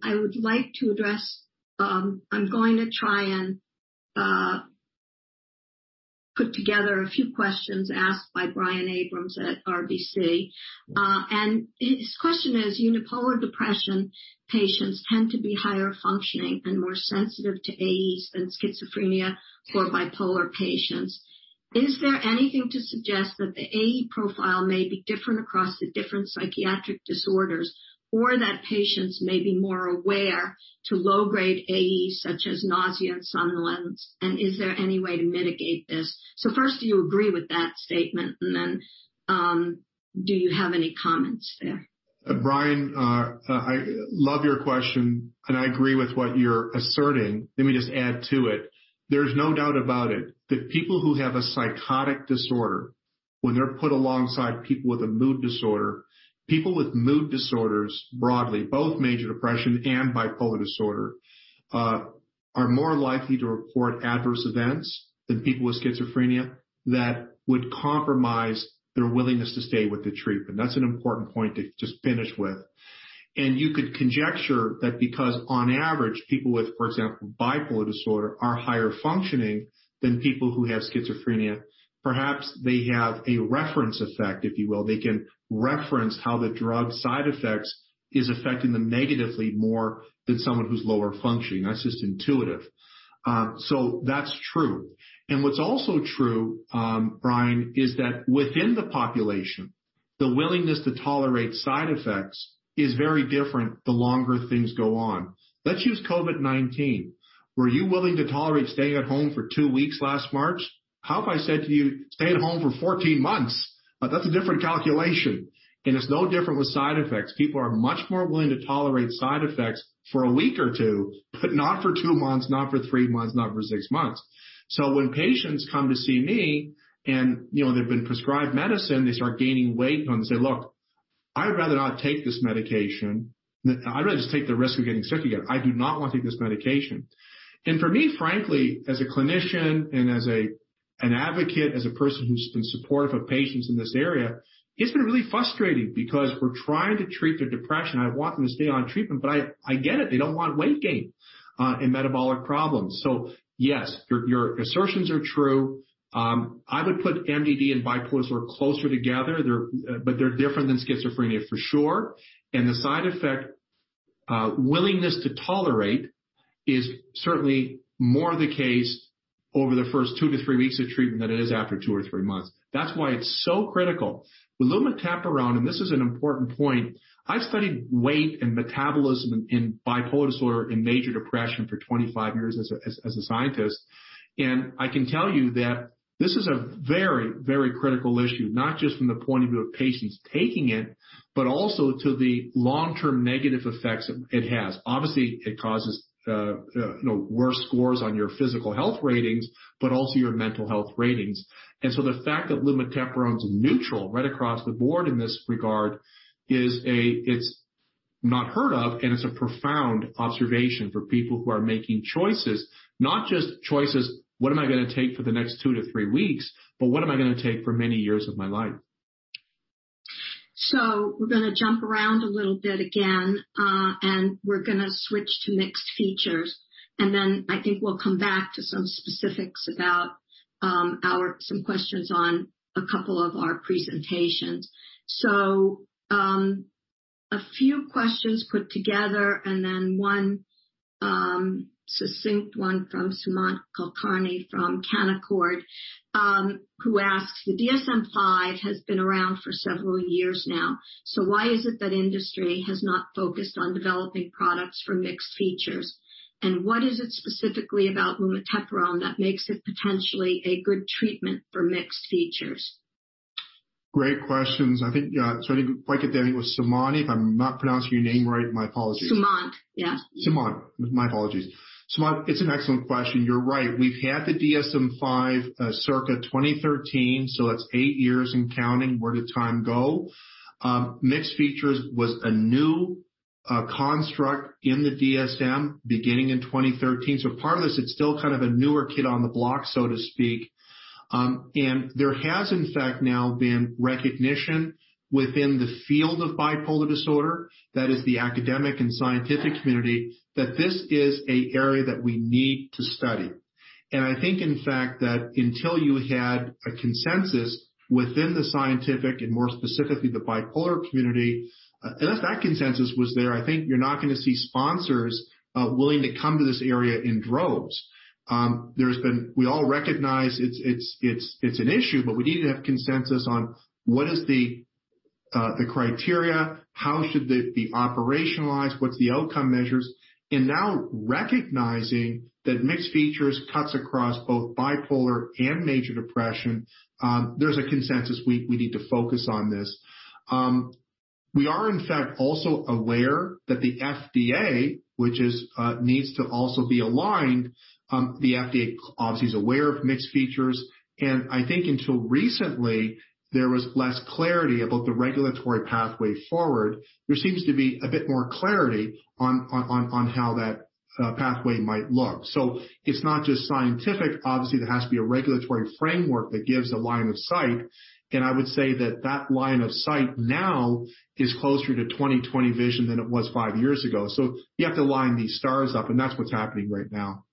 I would like to address, I'm going to try and put together a few questions asked by Brian Abrahams at RBC. His question is, unipolar depression patients tend to be higher functioning and more sensitive to AEs than schizophrenia or bipolar patients. Is there anything to suggest that the AE profile may be different across the different psychiatric disorders, or that patients may be more aware to low-grade AEs such as nausea and somnolence, and is there any way to mitigate this? First, do you agree with that statement, and then do you have any comments there? Brian, I love your question. I agree with what you're asserting. Let me just add to it. There's no doubt about it that people who have a psychotic disorder, when they're put alongside people with a mood disorder, people with mood disorders, broadly, both major depression and bipolar disorder, are more likely to report adverse events than people with schizophrenia that would compromise their willingness to stay with the treatment. That's an important point to just finish with. You could conjecture that, because on average, people with, for example, bipolar disorder, are higher functioning than people who have schizophrenia. Perhaps they have a reference effect, if you will. They can reference how the drug side effects is affecting them negatively more than someone who's lower functioning. That's just intuitive. That's true. What's also true, Brian, is that within the population, the willingness to tolerate side effects is very different the longer things go on. Let's use COVID-19. Were you willing to tolerate staying at home for two weeks last March? How if I said to you, "Stay at home for 14 months." That's a different calculation. It's no different with side effects. People are much more willing to tolerate side effects for a week or two, but not for two months, not for three months, not for six months. When patients come to see me, and they've been prescribed medicine, they start gaining weight on, they say, "Look, I'd rather not take this medication. I'd rather just take the risk of getting sick again. I do not want to take this medication." For me, frankly, as a clinician and as an advocate, as a person who's been supportive of patients in this area, it's been really frustrating because we're trying to treat their depression. I want them to stay on treatment, but I get it. They don't want weight gain and metabolic problems. Yes, your assertions are true. I would put MDD and bipolar closer together, but they're different than schizophrenia for sure. The side effect willingness to tolerate is certainly more the case over the first two to three weeks of treatment than it is after two or three months. That's why it's so critical. With lumateperone, and this is an important point, I've studied weight and metabolism in bipolar disorder and major depression for 25 years as a scientist, and I can tell you that this is a very, very critical issue, not just from the point of view of patients taking it, but also to the long-term negative effects it has. Obviously, it causes worse scores on your physical health ratings, but also your mental health ratings. The fact that lumateperone is neutral right across the board in this regard, it's not heard of, and it's a profound observation for people who are making choices. Not just choices, what am I going to take for the next 2-3 weeks, but what am I going to take for many years of my life? We're going to jump around a little bit again, and we're going to switch to mixed features, and then I think we'll come back to some specifics about some questions on a couple of our presentations. A few questions put together, and then one succinct one from Sumant Kulkarni from Canaccord, who asks, "The DSM-5 has been around for several years now, so why is it that industry has not focused on developing products for mixed features? And what is it specifically about lumateperone that makes it potentially a good treatment for mixed features? Great questions. I think, sorry to quite get that name, it was Sumani. If I'm not pronouncing your name right, my apologies. Sumant. Yeah. Sumant. My apologies. Sumant, it's an excellent question. You're right. We've had the DSM-5, circa 2013, so that's eight years and counting. Where did time go? Mixed features was a new construct in the DSM beginning in 2013. Part of this, it's still kind of a newer kid on the block, so to speak. There has, in fact, now been recognition within the field of bipolar disorder, that is the academic and scientific community, that this is an area that we need to study. I think, in fact, that until you had a consensus within the scientific and more specifically the bipolar community, unless that consensus was there, I think you're not going to see sponsors willing to come to this area in droves. We all recognize it's an issue, but we need to have consensus on what is the criteria, how should it be operationalized, what's the outcome measures? Now recognizing that mixed features cuts across both bipolar and major depression, there's a consensus we need to focus on this. We are, in fact, also aware that the FDA, which needs to also be aligned, the FDA obviously is aware of mixed features, and I think until recently, there was less clarity about the regulatory pathway forward. There seems to be a bit more clarity on how that pathway might look. It's not just scientific. Obviously, there has to be a regulatory framework that gives a line of sight, and I would say that that line of sight now is closer to 20/20 vision than it was five years ago. You have to line these stars up, and that's what's happening right now.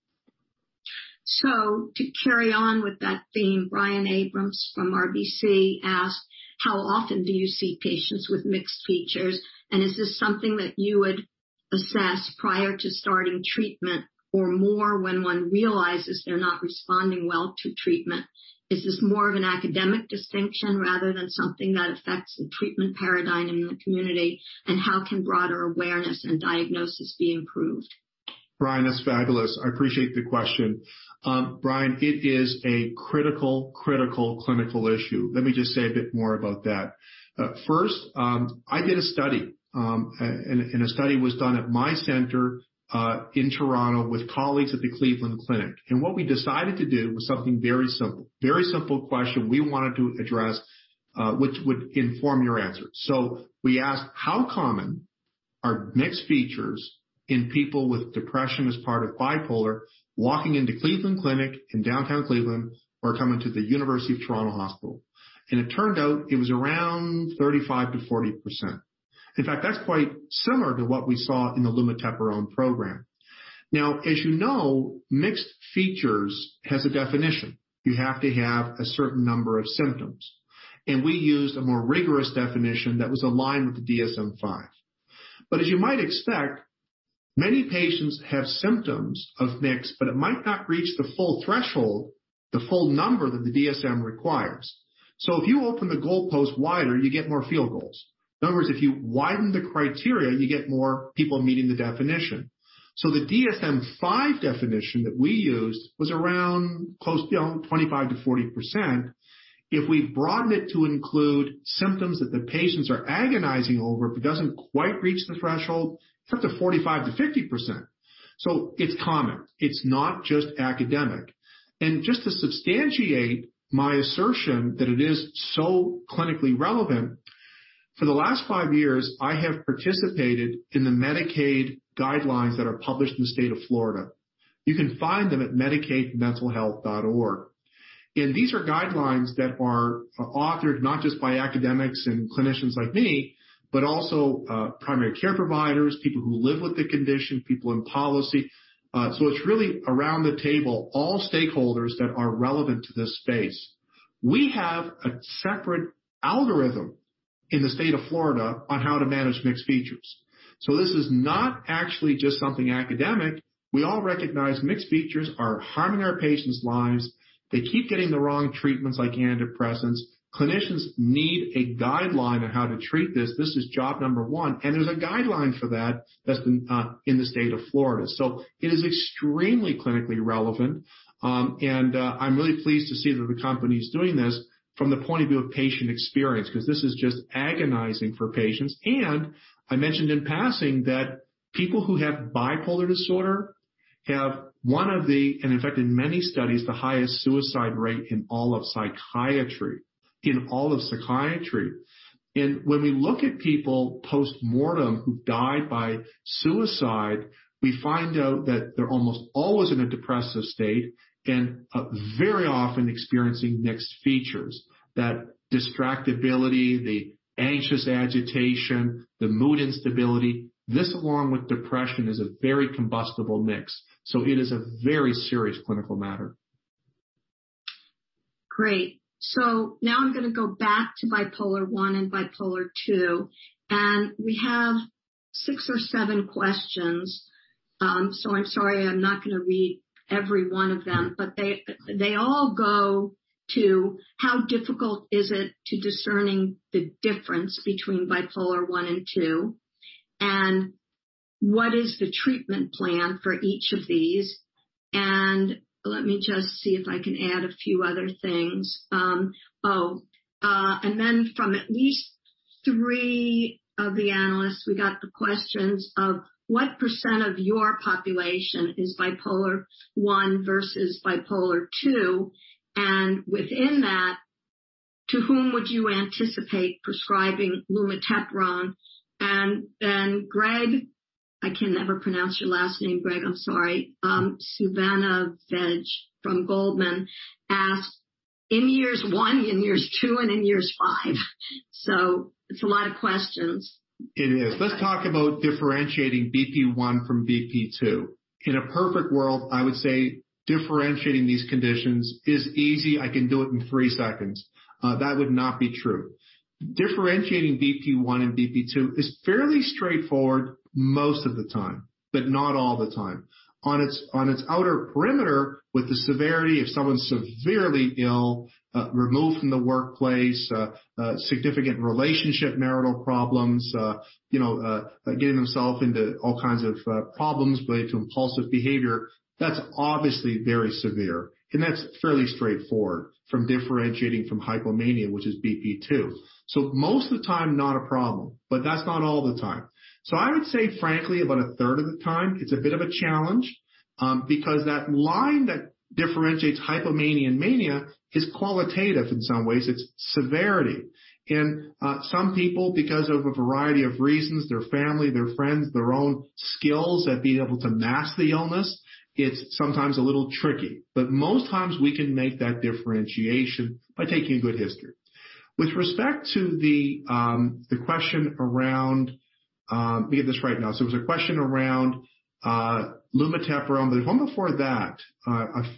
To carry on with that theme, Brian Abrahams from RBC asked, "How often do you see patients with mixed features? Is this something that you would assess prior to starting treatment or more when one realizes they're not responding well to treatment? Is this more of an academic distinction rather than something that affects the treatment paradigm in the community? How can broader awareness and diagnosis be improved? Brian, that's fabulous. I appreciate the question. Brian, it is a critical clinical issue. Let me just say a bit more about that. First, I did a study, a study was done at my center in Toronto with colleagues at the Cleveland Clinic. What we decided to do was something very simple. Very simple question we wanted to address, which would inform your answer. We asked how common are mixed features in people with depression as part of bipolar, walking into Cleveland Clinic in downtown Cleveland or coming to the University of Toronto Hospital. It turned out it was around 35%-40%. In fact, that's quite similar to what we saw in the lumateperone program. Now, as you know, mixed features has a definition. You have to have a certain number of symptoms. We used a more rigorous definition that was aligned with the DSM-5. As you might expect, many patients have symptoms of mix, but it might not reach the full threshold, the full number that the DSM requires. If you open the goalpost wider, you get more field goals. In other words, if you widen the criteria, you get more people meeting the definition. The DSM-5 definition that we used was around close to 25%-40%. If we broaden it to include symptoms that the patients are agonizing over, if it doesn't quite reach the threshold, it's up to 45%-50%. It's common. It's not just academic. Just to substantiate my assertion that it is so clinically relevant, for the last five years, I have participated in the Medicaid Guidelines that are published in the state of Florida. You can find them at medicaidmentalhealth.org. These are guidelines that are authored not just by academics and clinicians like me, but also primary care providers, people who live with the condition, people in policy. It's really around the table, all stakeholders that are relevant to this space. We have a separate algorithm in the state of Florida on how to manage mixed features. This is not actually just something academic. We all recognize mixed features are harming our patients' lives. They keep getting the wrong treatments, like antidepressants. Clinicians need a guideline on how to treat this. This is job number one, and there's a guideline for that's in the state of Florida. It is extremely clinically relevant. I'm really pleased to see that the company is doing this from the point of view of patient experience, because this is just agonizing for patients. I mentioned in passing that people who have bipolar disorder have one of the, and in fact, in many studies, the highest suicide rate in all of psychiatry. When we look at people postmortem who died by suicide, we find out that they're almost always in a depressive state and very often experiencing mixed features. That distractibility, the anxious agitation, the mood instability. This, along with depression, is a very combustible mix. It is a very serious clinical matter. Great. Now I'm going to go back to bipolar I and bipolar II, and we have six or seven questions. I'm sorry, I'm not going to read every one of them. They all go to how difficult is it to discerning the difference between bipolar I and II, and what is the treatment plan for each of these. Let me just see if I can add a few other things. From at least three of the analysts, we got the questions of what percent of your population is bipolar I versus bipolar II, and within that, to whom would you anticipate prescribing lumateperone. Greg, I can never pronounce your last name, Graig, I'm sorry, Suvannavejh from Goldman asked, in years one, in years two, and in years five. It's a lot of questions. It is. Let's talk about differentiating BP1 from BP2. In a perfect world, I would say differentiating these conditions is easy. I can do it in three seconds. That would not be true. Differentiating BP1 and BP2 is fairly straightforward most of the time, but not all the time. On its outer perimeter, with the severity, if someone's severely ill, removed from the workplace, significant relationship, marital problems, getting themself into all kinds of problems related to impulsive behavior, that's obviously very severe, and that's fairly straightforward from differentiating from hypomania, which is BP2. Most of the time, not a problem, but that's not all the time. I would say, frankly, about 1/3 of the time, it's a bit of a challenge, because that line that differentiates hypomania and mania is qualitative in some ways. It's severity. Some people, because of a variety of reasons, their family, their friends, their own skills at being able to mask the illness, it's sometimes a little tricky. Most times, we can make that differentiation by taking a good history. With respect to the question. Let me get this right now. It was a question around lumateperone. There was one before that.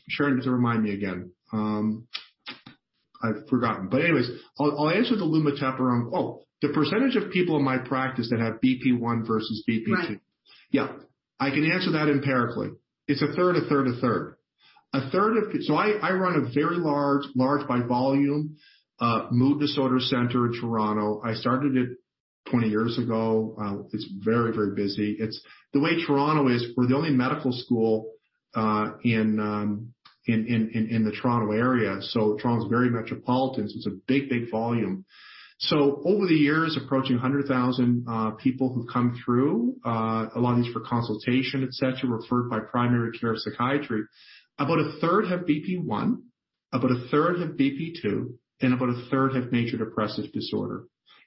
Sharon just remind me again. I've forgotten. Anyways, I'll answer the lumateperone. Oh, the percentage of people in my practice that have BP1 versus BP2. Right. Yeah. I can answer that empirically. It's 1/3, 1/3, 1/3. I run a very large by volume mood disorder center in Toronto. I started it 20 years ago. It's very busy. The way Toronto is, we're the only medical school in the Toronto area. Toronto is very metropolitan, so it's a big volume. Over the years, approaching 100,000 people who've come through. A lot of these for consultation, et cetera, referred by primary care psychiatry. About 1/3d have BP1, about 1/3 have BP2, and about 1/3 have major depressive disorder.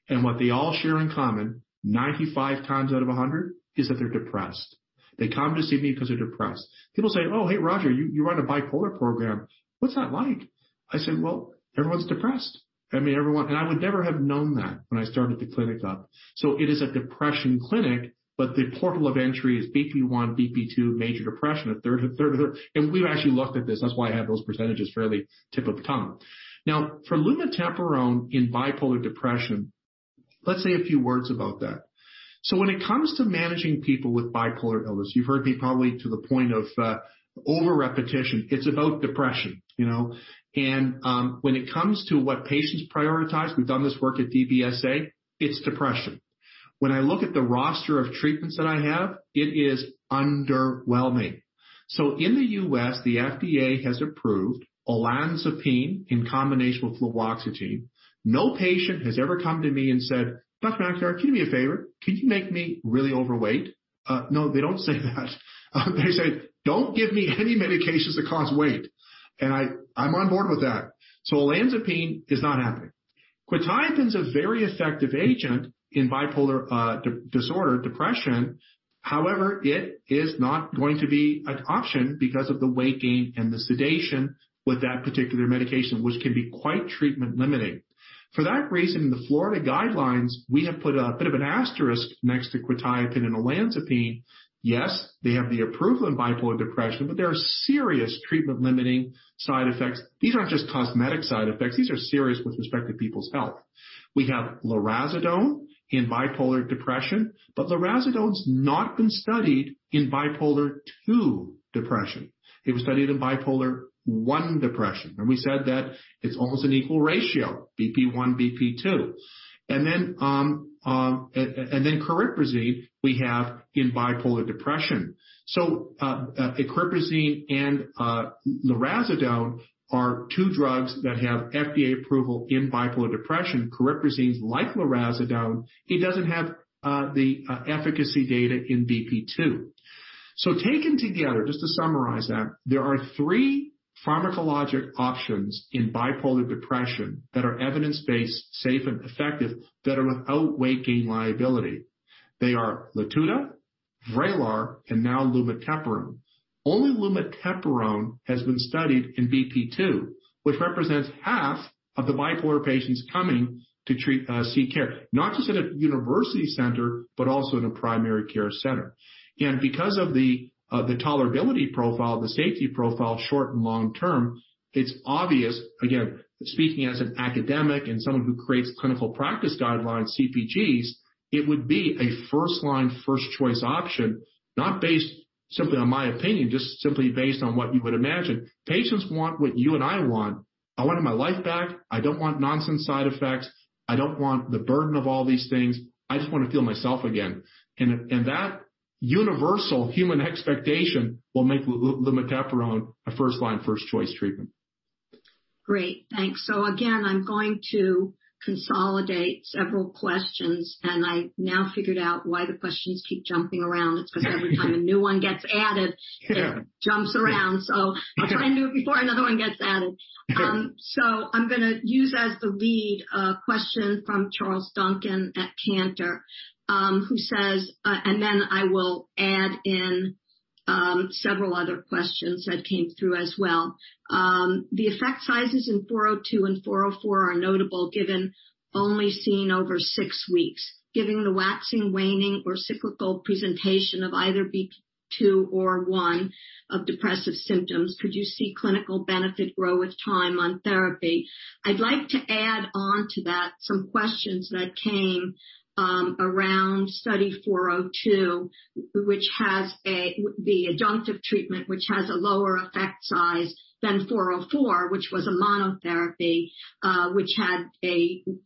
What they all share in common, 95x out of 100, is that they're depressed. They come to see me because they're depressed. People say, "Oh, hey, Roger, you run a bipolar program. What's that like?" I say, "Well, everyone's depressed." I would never have known that when I started the clinic up. It is a depression clinic, but the portal of entry is BP1, BP2, major depression, 1/3, 1/3, 1/3. We've actually looked at this. That's why I have those percentages fairly tip of the tongue. Now, for lumateperone in bipolar depression, let's say a few words about that. When it comes to managing people with bipolar illness, you've heard me probably to the point of over-repetition, it's about depression. When it comes to what patients prioritize, we've done this work at DBSA, it's depression. When I look at the roster of treatments that I have, it is underwhelming. In the U.S., the FDA has approved olanzapine in combination with fluoxetine. No patient has ever come to me and said, "Dr. McIntyre, can you do me a favor? Can you make me really overweight?" No, they don't say that. They say, "Don't give me any medications that cause weight." I'm on board with that. Olanzapine is not happening. Quetiapine is a very effective agent in bipolar disorder, depression. However, it is not going to be an option because of the weight gain and the sedation with that particular medication, which can be quite treatment-limiting. For that reason, in the Florida guidelines, we have put a bit of an asterisk next to quetiapine and olanzapine. Yes, they have the approval in bipolar depression, but there are serious treatment-limiting side effects. These aren't just cosmetic side effects. These are serious with respect to people's health. We have lurasidone in bipolar depression, but lurasidone's not been studied in bipolar II depression. It was studied in bipolar I depression. We said that it's almost an equal ratio, BP1, BP2. Cariprazine we have in bipolar depression. Cariprazine and lurasidone are two drugs that have FDA approval in bipolar depression. Cariprazine is like lurasidone. It doesn't have the efficacy data in BP2. Taken together, just to summarize that, there are three pharmacologic options in bipolar depression that are evidence-based, safe, and effective that are without weight gain liability. They are LATUDA, VRAYLAR, and now lumateperone. Only lumateperone has been studied in BP2, which represents half of the bipolar patients coming to seek care, not just at a university center, but also in a primary care center. Because of the tolerability profile, the safety profile, short and long term, it's obvious, again, speaking as an academic and someone who creates clinical practice guidelines, CPGs, it would be a first-line, first-choice option, not based simply on my opinion, just simply based on what you would imagine. Patients want what you and I want. I wanted my life back. I don't want nonsense side effects. I don't want the burden of all these things. I just want to feel myself again. That universal human expectation will make lumateperone a first-line, first-choice treatment. Great. Thanks. Again, I'm going to consolidate several questions, and I now figured out why the questions keep jumping around. Sure It jumps around. I'll try and do it before another one gets added. Sure. I'm going to use as the lead a question from Charles Duncan at Cantor Fitzgerald, and then I will add in several other questions that came through as well. The effect sizes in 402 and 404 are notable, given only seen over six weeks. Given the waxing, waning, or cyclical presentation of either BP2 or 1 of depressive symptoms, could you see clinical benefit grow with time on therapy? I'd like to add on to that some questions that came around Study 402, which has the adjunctive treatment, which has a lower effect size than 404, which was a monotherapy, which had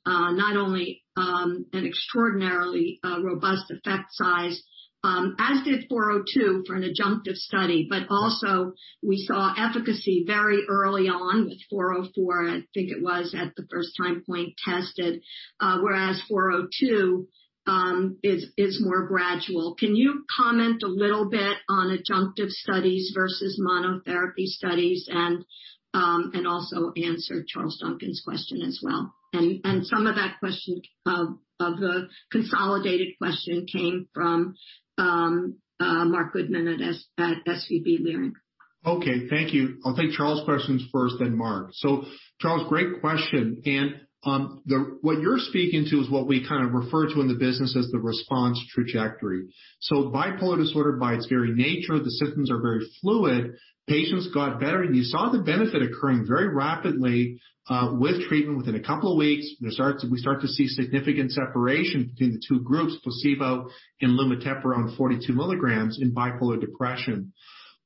not only an extraordinarily robust effect size, as did 402 for an adjunctive study, but also we saw efficacy very early on with 404, I think it was at the first time point tested, whereas 402 is more gradual. Can you comment a little bit on adjunctive studies versus monotherapy studies and also answer Charles Duncan's question as well? Some of that consolidated question came from Marc Goodman at SVB Leerink. Thank you. I'll take Charles' questions first, then Marc. Charles, great question. What you're speaking to is what we kind of refer to in the business as the response trajectory. Bipolar depression, by its very nature, the symptoms are very fluid. Patients got better, you saw the benefit occurring very rapidly with treatment within a couple of weeks. We start to see significant separation between the two groups, placebo and lumateperone 42 mg in bipolar depression.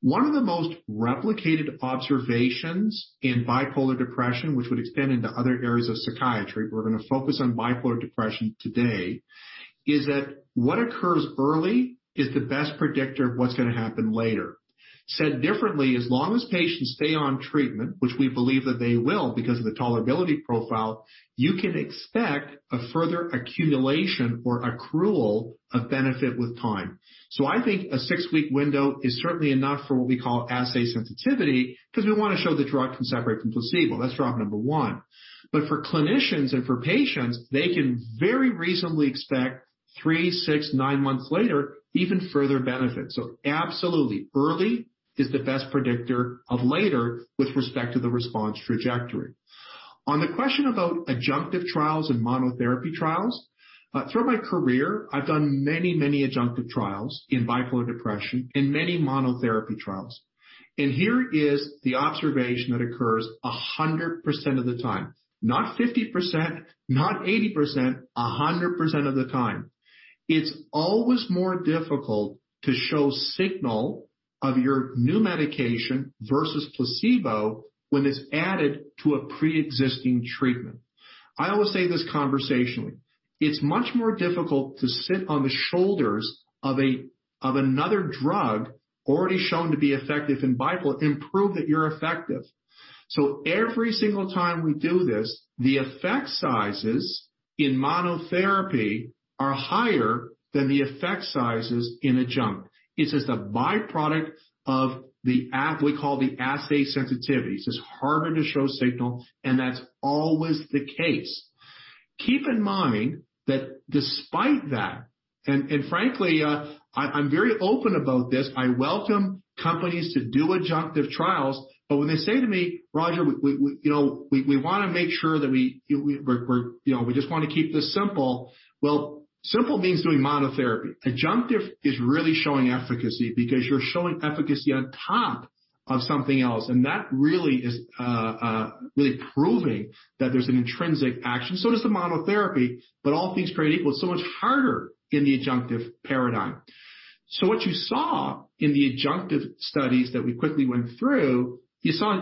One of the most replicated observations in bipolar depression, which would extend into other areas of psychiatry, we're going to focus on bipolar depression today, is that what occurs early is the best predictor of what's going to happen later. Said differently, as long as patients stay on treatment, which we believe that they will because of the tolerability profile, you can expect a further accumulation or accrual of benefit with time. I think a six-week window is certainly enough for what we call assay sensitivity because we want to show the drug can separate from placebo. That's rock number one. For clinicians and for patients, they can very reasonably expect three, six, nine months later, even further benefit. Absolutely, early is the best predictor of later with respect to the response trajectory. On the question about adjunctive trials and monotherapy trials, throughout my career, I've done many adjunctive trials in bipolar depression and many monotherapy trials, here is the observation that occurs 100% of the time. Not 50%, not 80%, 100% of the time. It's always more difficult to show signal of your new medication versus placebo when it's added to a preexisting treatment. I always say this conversationally. It's much more difficult to sit on the shoulders of another drug already shown to be effective in bipolar and prove that you're effective. Every single time we do this, the effect sizes in monotherapy are higher than the effect sizes in adjunctive. It's just a byproduct of the, we call the assay sensitivity. It's just harder to show signal, and that's always the case. Keep in mind that despite that, and frankly, I'm very open about this, I welcome companies to do adjunctive trials, but when they say to me, "Roger, we want to make sure that we just want to keep this simple." Well, simple means doing monotherapy. Adjunctive is really showing efficacy because you're showing efficacy on top of something else. That really is proving that there's an intrinsic action. Does the monotherapy, but all things being equal, it's so much harder in the adjunctive paradigm. What you saw in the adjunctive studies that we quickly went through, you saw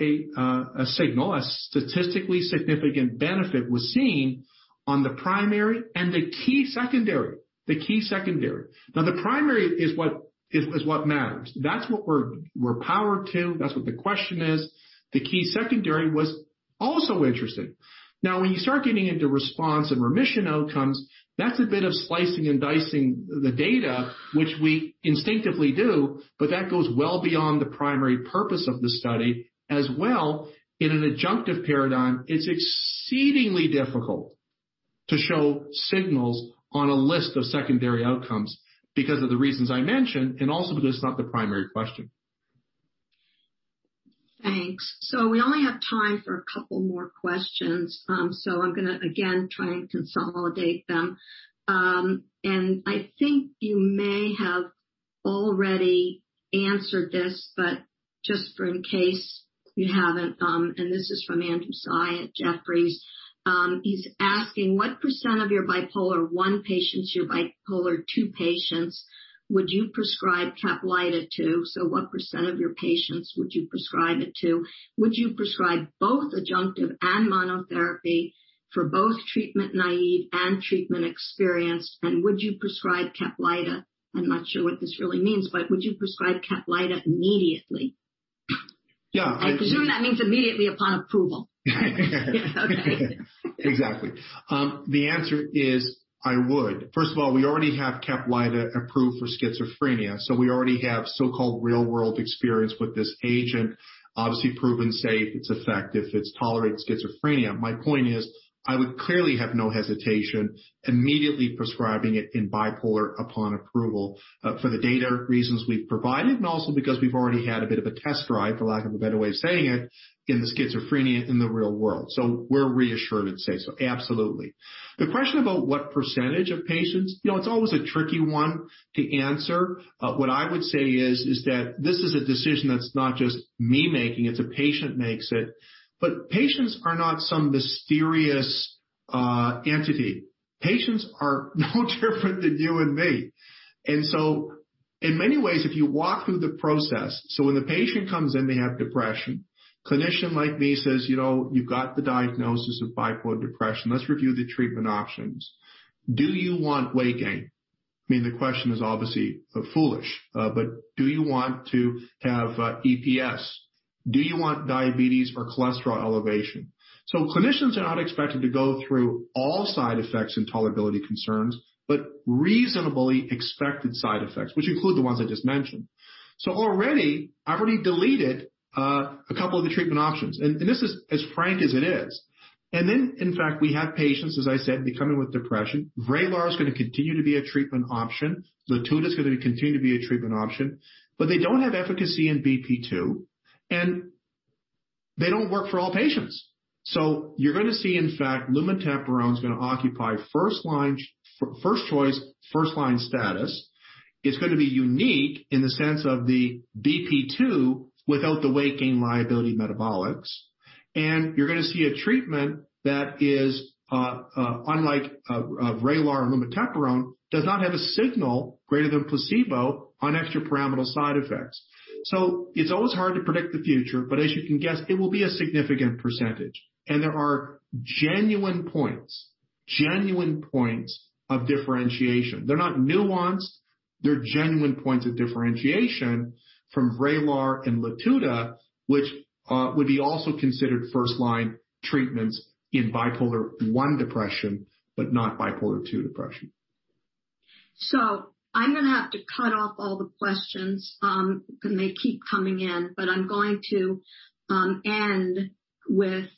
a signal, a statistically significant benefit was seen on the primary and the key secondary. Now, the primary is what matters. That's what we're powered to. That's what the question is. The key secondary was also interesting. Now, when you start getting into response and remission outcomes, that's a bit of slicing and dicing the data, which we instinctively do, but that goes well beyond the primary purpose of the study. In an adjunctive paradigm, it's exceedingly difficult to show signals on a list of secondary outcomes because of the reasons I mentioned, and also because it's not the primary question. Thanks. We only have time for a couple more questions. I'm going to, again, try and consolidate them. I think you may have already answered this, but just for in case you haven't, this is from Andrew Tsai at Jefferies. He's asking, "What percent of your bipolar I patients, your bipolar II patients would you prescribe CAPLYTA to?" What percent of your patients would you prescribe it to? "Would you prescribe both adjunctive and monotherapy for both treatment naive and treatment experienced? Would you prescribe CAPLYTA" I'm not sure what this really means, but, "Would you prescribe CAPLYTA immediately? Yeah. I presume that means immediately upon approval. Okay. Exactly. The answer is, I would. First of all, we already have CAPLYTA approved for schizophrenia, we already have so-called real-world experience with this agent, obviously proven safe. It's effective. It's tolerated schizophrenia. My point is, I would clearly have no hesitation immediately prescribing it in bipolar upon approval. For the data reasons we've provided, also because we've already had a bit of a test drive, for lack of a better way of saying it, in the schizophrenia in the real world. We're reassured and say so absolutely. The question about what percentage of patients, it's always a tricky one to answer. What I would say is that this is a decision that's not just me making, it's a patient makes it. Patients are not some mysterious entity. Patients are no different than you and me. In many ways, if you walk through the process, when the patient comes in, they have depression. Clinician like me says, "You've got the diagnosis of bipolar depression. Let's review the treatment options. Do you want weight gain?" I mean, the question is obviously foolish. Do you want to have EPS? Do you want diabetes or cholesterol elevation? Clinicians are not expected to go through all side effects and tolerability concerns, but reasonably expected side effects, which include the ones I just mentioned. Already, I've already deleted a couple of the treatment options, and this is as frank as it is. In fact, we have patients, as I said, they come in with depression. VRAYLAR's going to continue to be a treatment option. LATUDA's going to continue to be a treatment option. They don't have efficacy in BP2, and they don't work for all patients. You're going to see, in fact, lumateperone's going to occupy first choice, first-line status. It's going to be unique in the sense of the BP2 without the weight gain liability metabolics. You're going to see a treatment that is, unlike VRAYLAR and lumateperone, does not have a signal greater than placebo on extrapyramidal side effects. It's always hard to predict the future, but as you can guess, it will be a significant percentage. There are genuine points of differentiation. They're not nuanced. They're genuine points of differentiation from VRAYLAR and LATUDA, which would be also considered first-line treatments in bipolar I depression, but not bipolar II depression. I'm going to have to cut off all the questions, and they keep coming in. I'm going to end with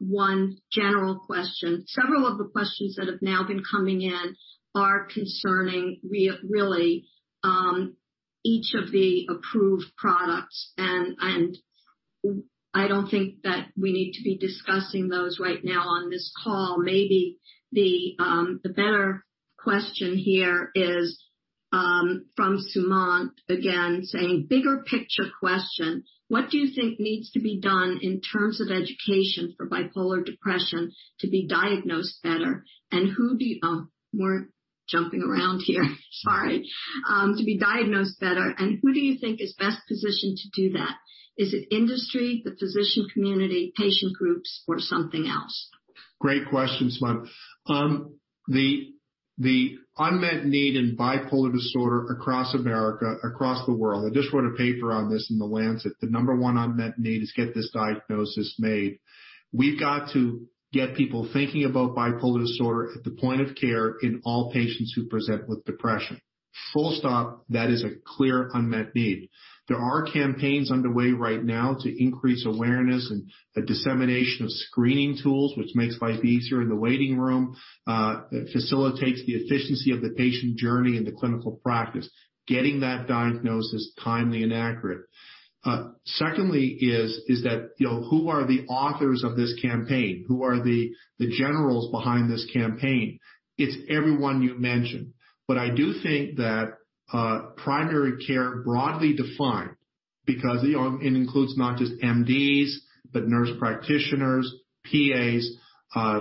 one general question. Several of the questions that have now been coming in are concerning really each of the approved products, and I don't think that we need to be discussing those right now on this call. Maybe the better question here is from Sumant again, saying, "Bigger picture question. What do you think needs to be done in terms of education for bipolar depression to be diagnosed better, and who do you think is best positioned to do that? Is it industry, the physician community, patient groups, or something else? Great question, Sumant. The unmet need in bipolar disorder across America, across the world, I just wrote a paper on this in The Lancet, the number one unmet need is get this diagnosis made. We've got to get people thinking about bipolar disorder at the point of care in all patients who present with depression. Full stop. That is a clear unmet need. There are campaigns underway right now to increase awareness and the dissemination of screening tools, which makes life easier in the waiting room, facilitates the efficiency of the patient journey in the clinical practice, getting that diagnosis timely and accurate. Secondly is that, who are the authors of this campaign? Who are the generals behind this campaign? It's everyone you mentioned. I do think that primary care, broadly defined, because it includes not just MDs, but nurse practitioners, PAs,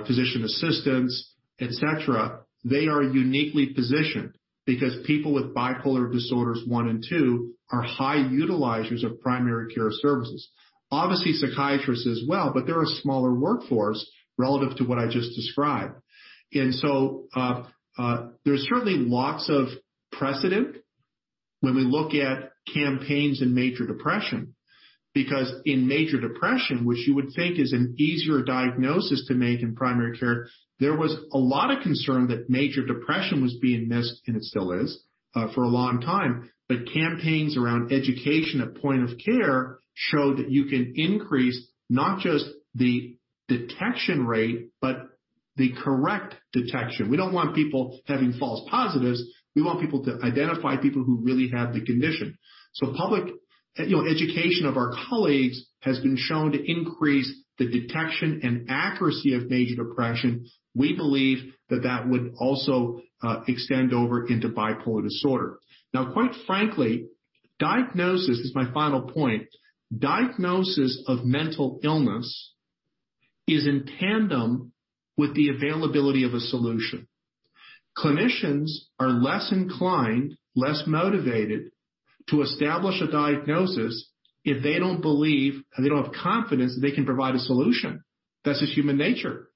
physician assistants, et cetera. They are uniquely positioned because people with bipolar disorders 1 and 2 are high utilizers of primary care services. Obviously, psychiatrists as well, they're a smaller workforce relative to what I just described. There's certainly lots of precedent when we look at campaigns in major depression, because in major depression, which you would think is an easier diagnosis to make in primary care, there was a lot of concern that major depression was being missed, and it still is, for a long time. Campaigns around education at point of care show that you can increase not just the detection rate, but the correct detection. We don't want people having false positives. We want people to identify people who really have the condition. Public education of our colleagues has been shown to increase the detection and accuracy of major depression. We believe that would also extend over into bipolar disorder. Quite frankly, diagnosis. This is my final point. Diagnosis of mental illness is in tandem with the availability of a solution. Clinicians are less inclined, less motivated, to establish a diagnosis if they don't believe, and they don't have confidence that they can provide a solution. That's just human nature.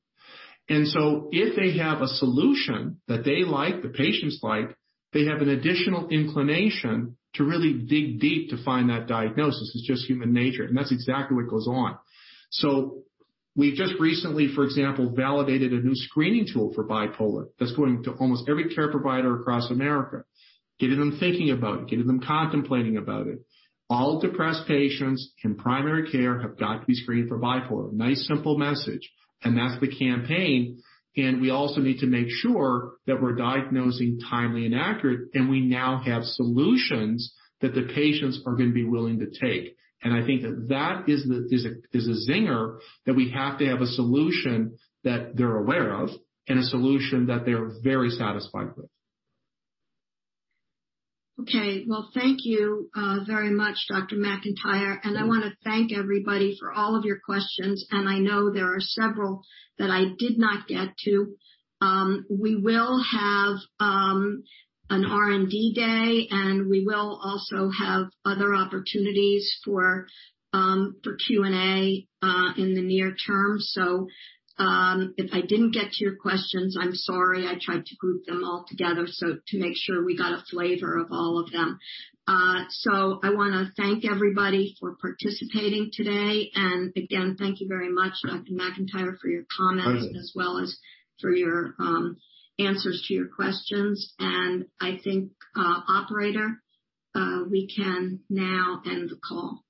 If they have a solution that they like, the patients like, they have an additional inclination to really dig deep to find that diagnosis. It's just human nature, and that's exactly what goes on. We've just recently, for example, validated a new screening tool for bipolar that's going to almost every care provider across America, getting them thinking about it, getting them contemplating about it. All depressed patients in primary care have got to be screened for bipolar. Nice, simple message, and that's the campaign. We also need to make sure that we're diagnosing timely and accurate, and we now have solutions that the patients are going to be willing to take. I think that that is a zinger, that we have to have a solution that they're aware of and a solution that they're very satisfied with. Okay. Well, thank you very much, Dr. McIntyre. I want to thank everybody for all of your questions, and I know there are several that I did not get to. We will have an R&D day, and we will also have other opportunities for Q&A in the near term. If I didn't get to your questions, I'm sorry. I tried to group them all together, so to make sure we got a flavor of all of them. I want to thank everybody for participating today. Again, thank you very much, Dr. McIntyre, for your comments. My pleasure. As well as for your answers to your questions. I think, operator, we can now end the call.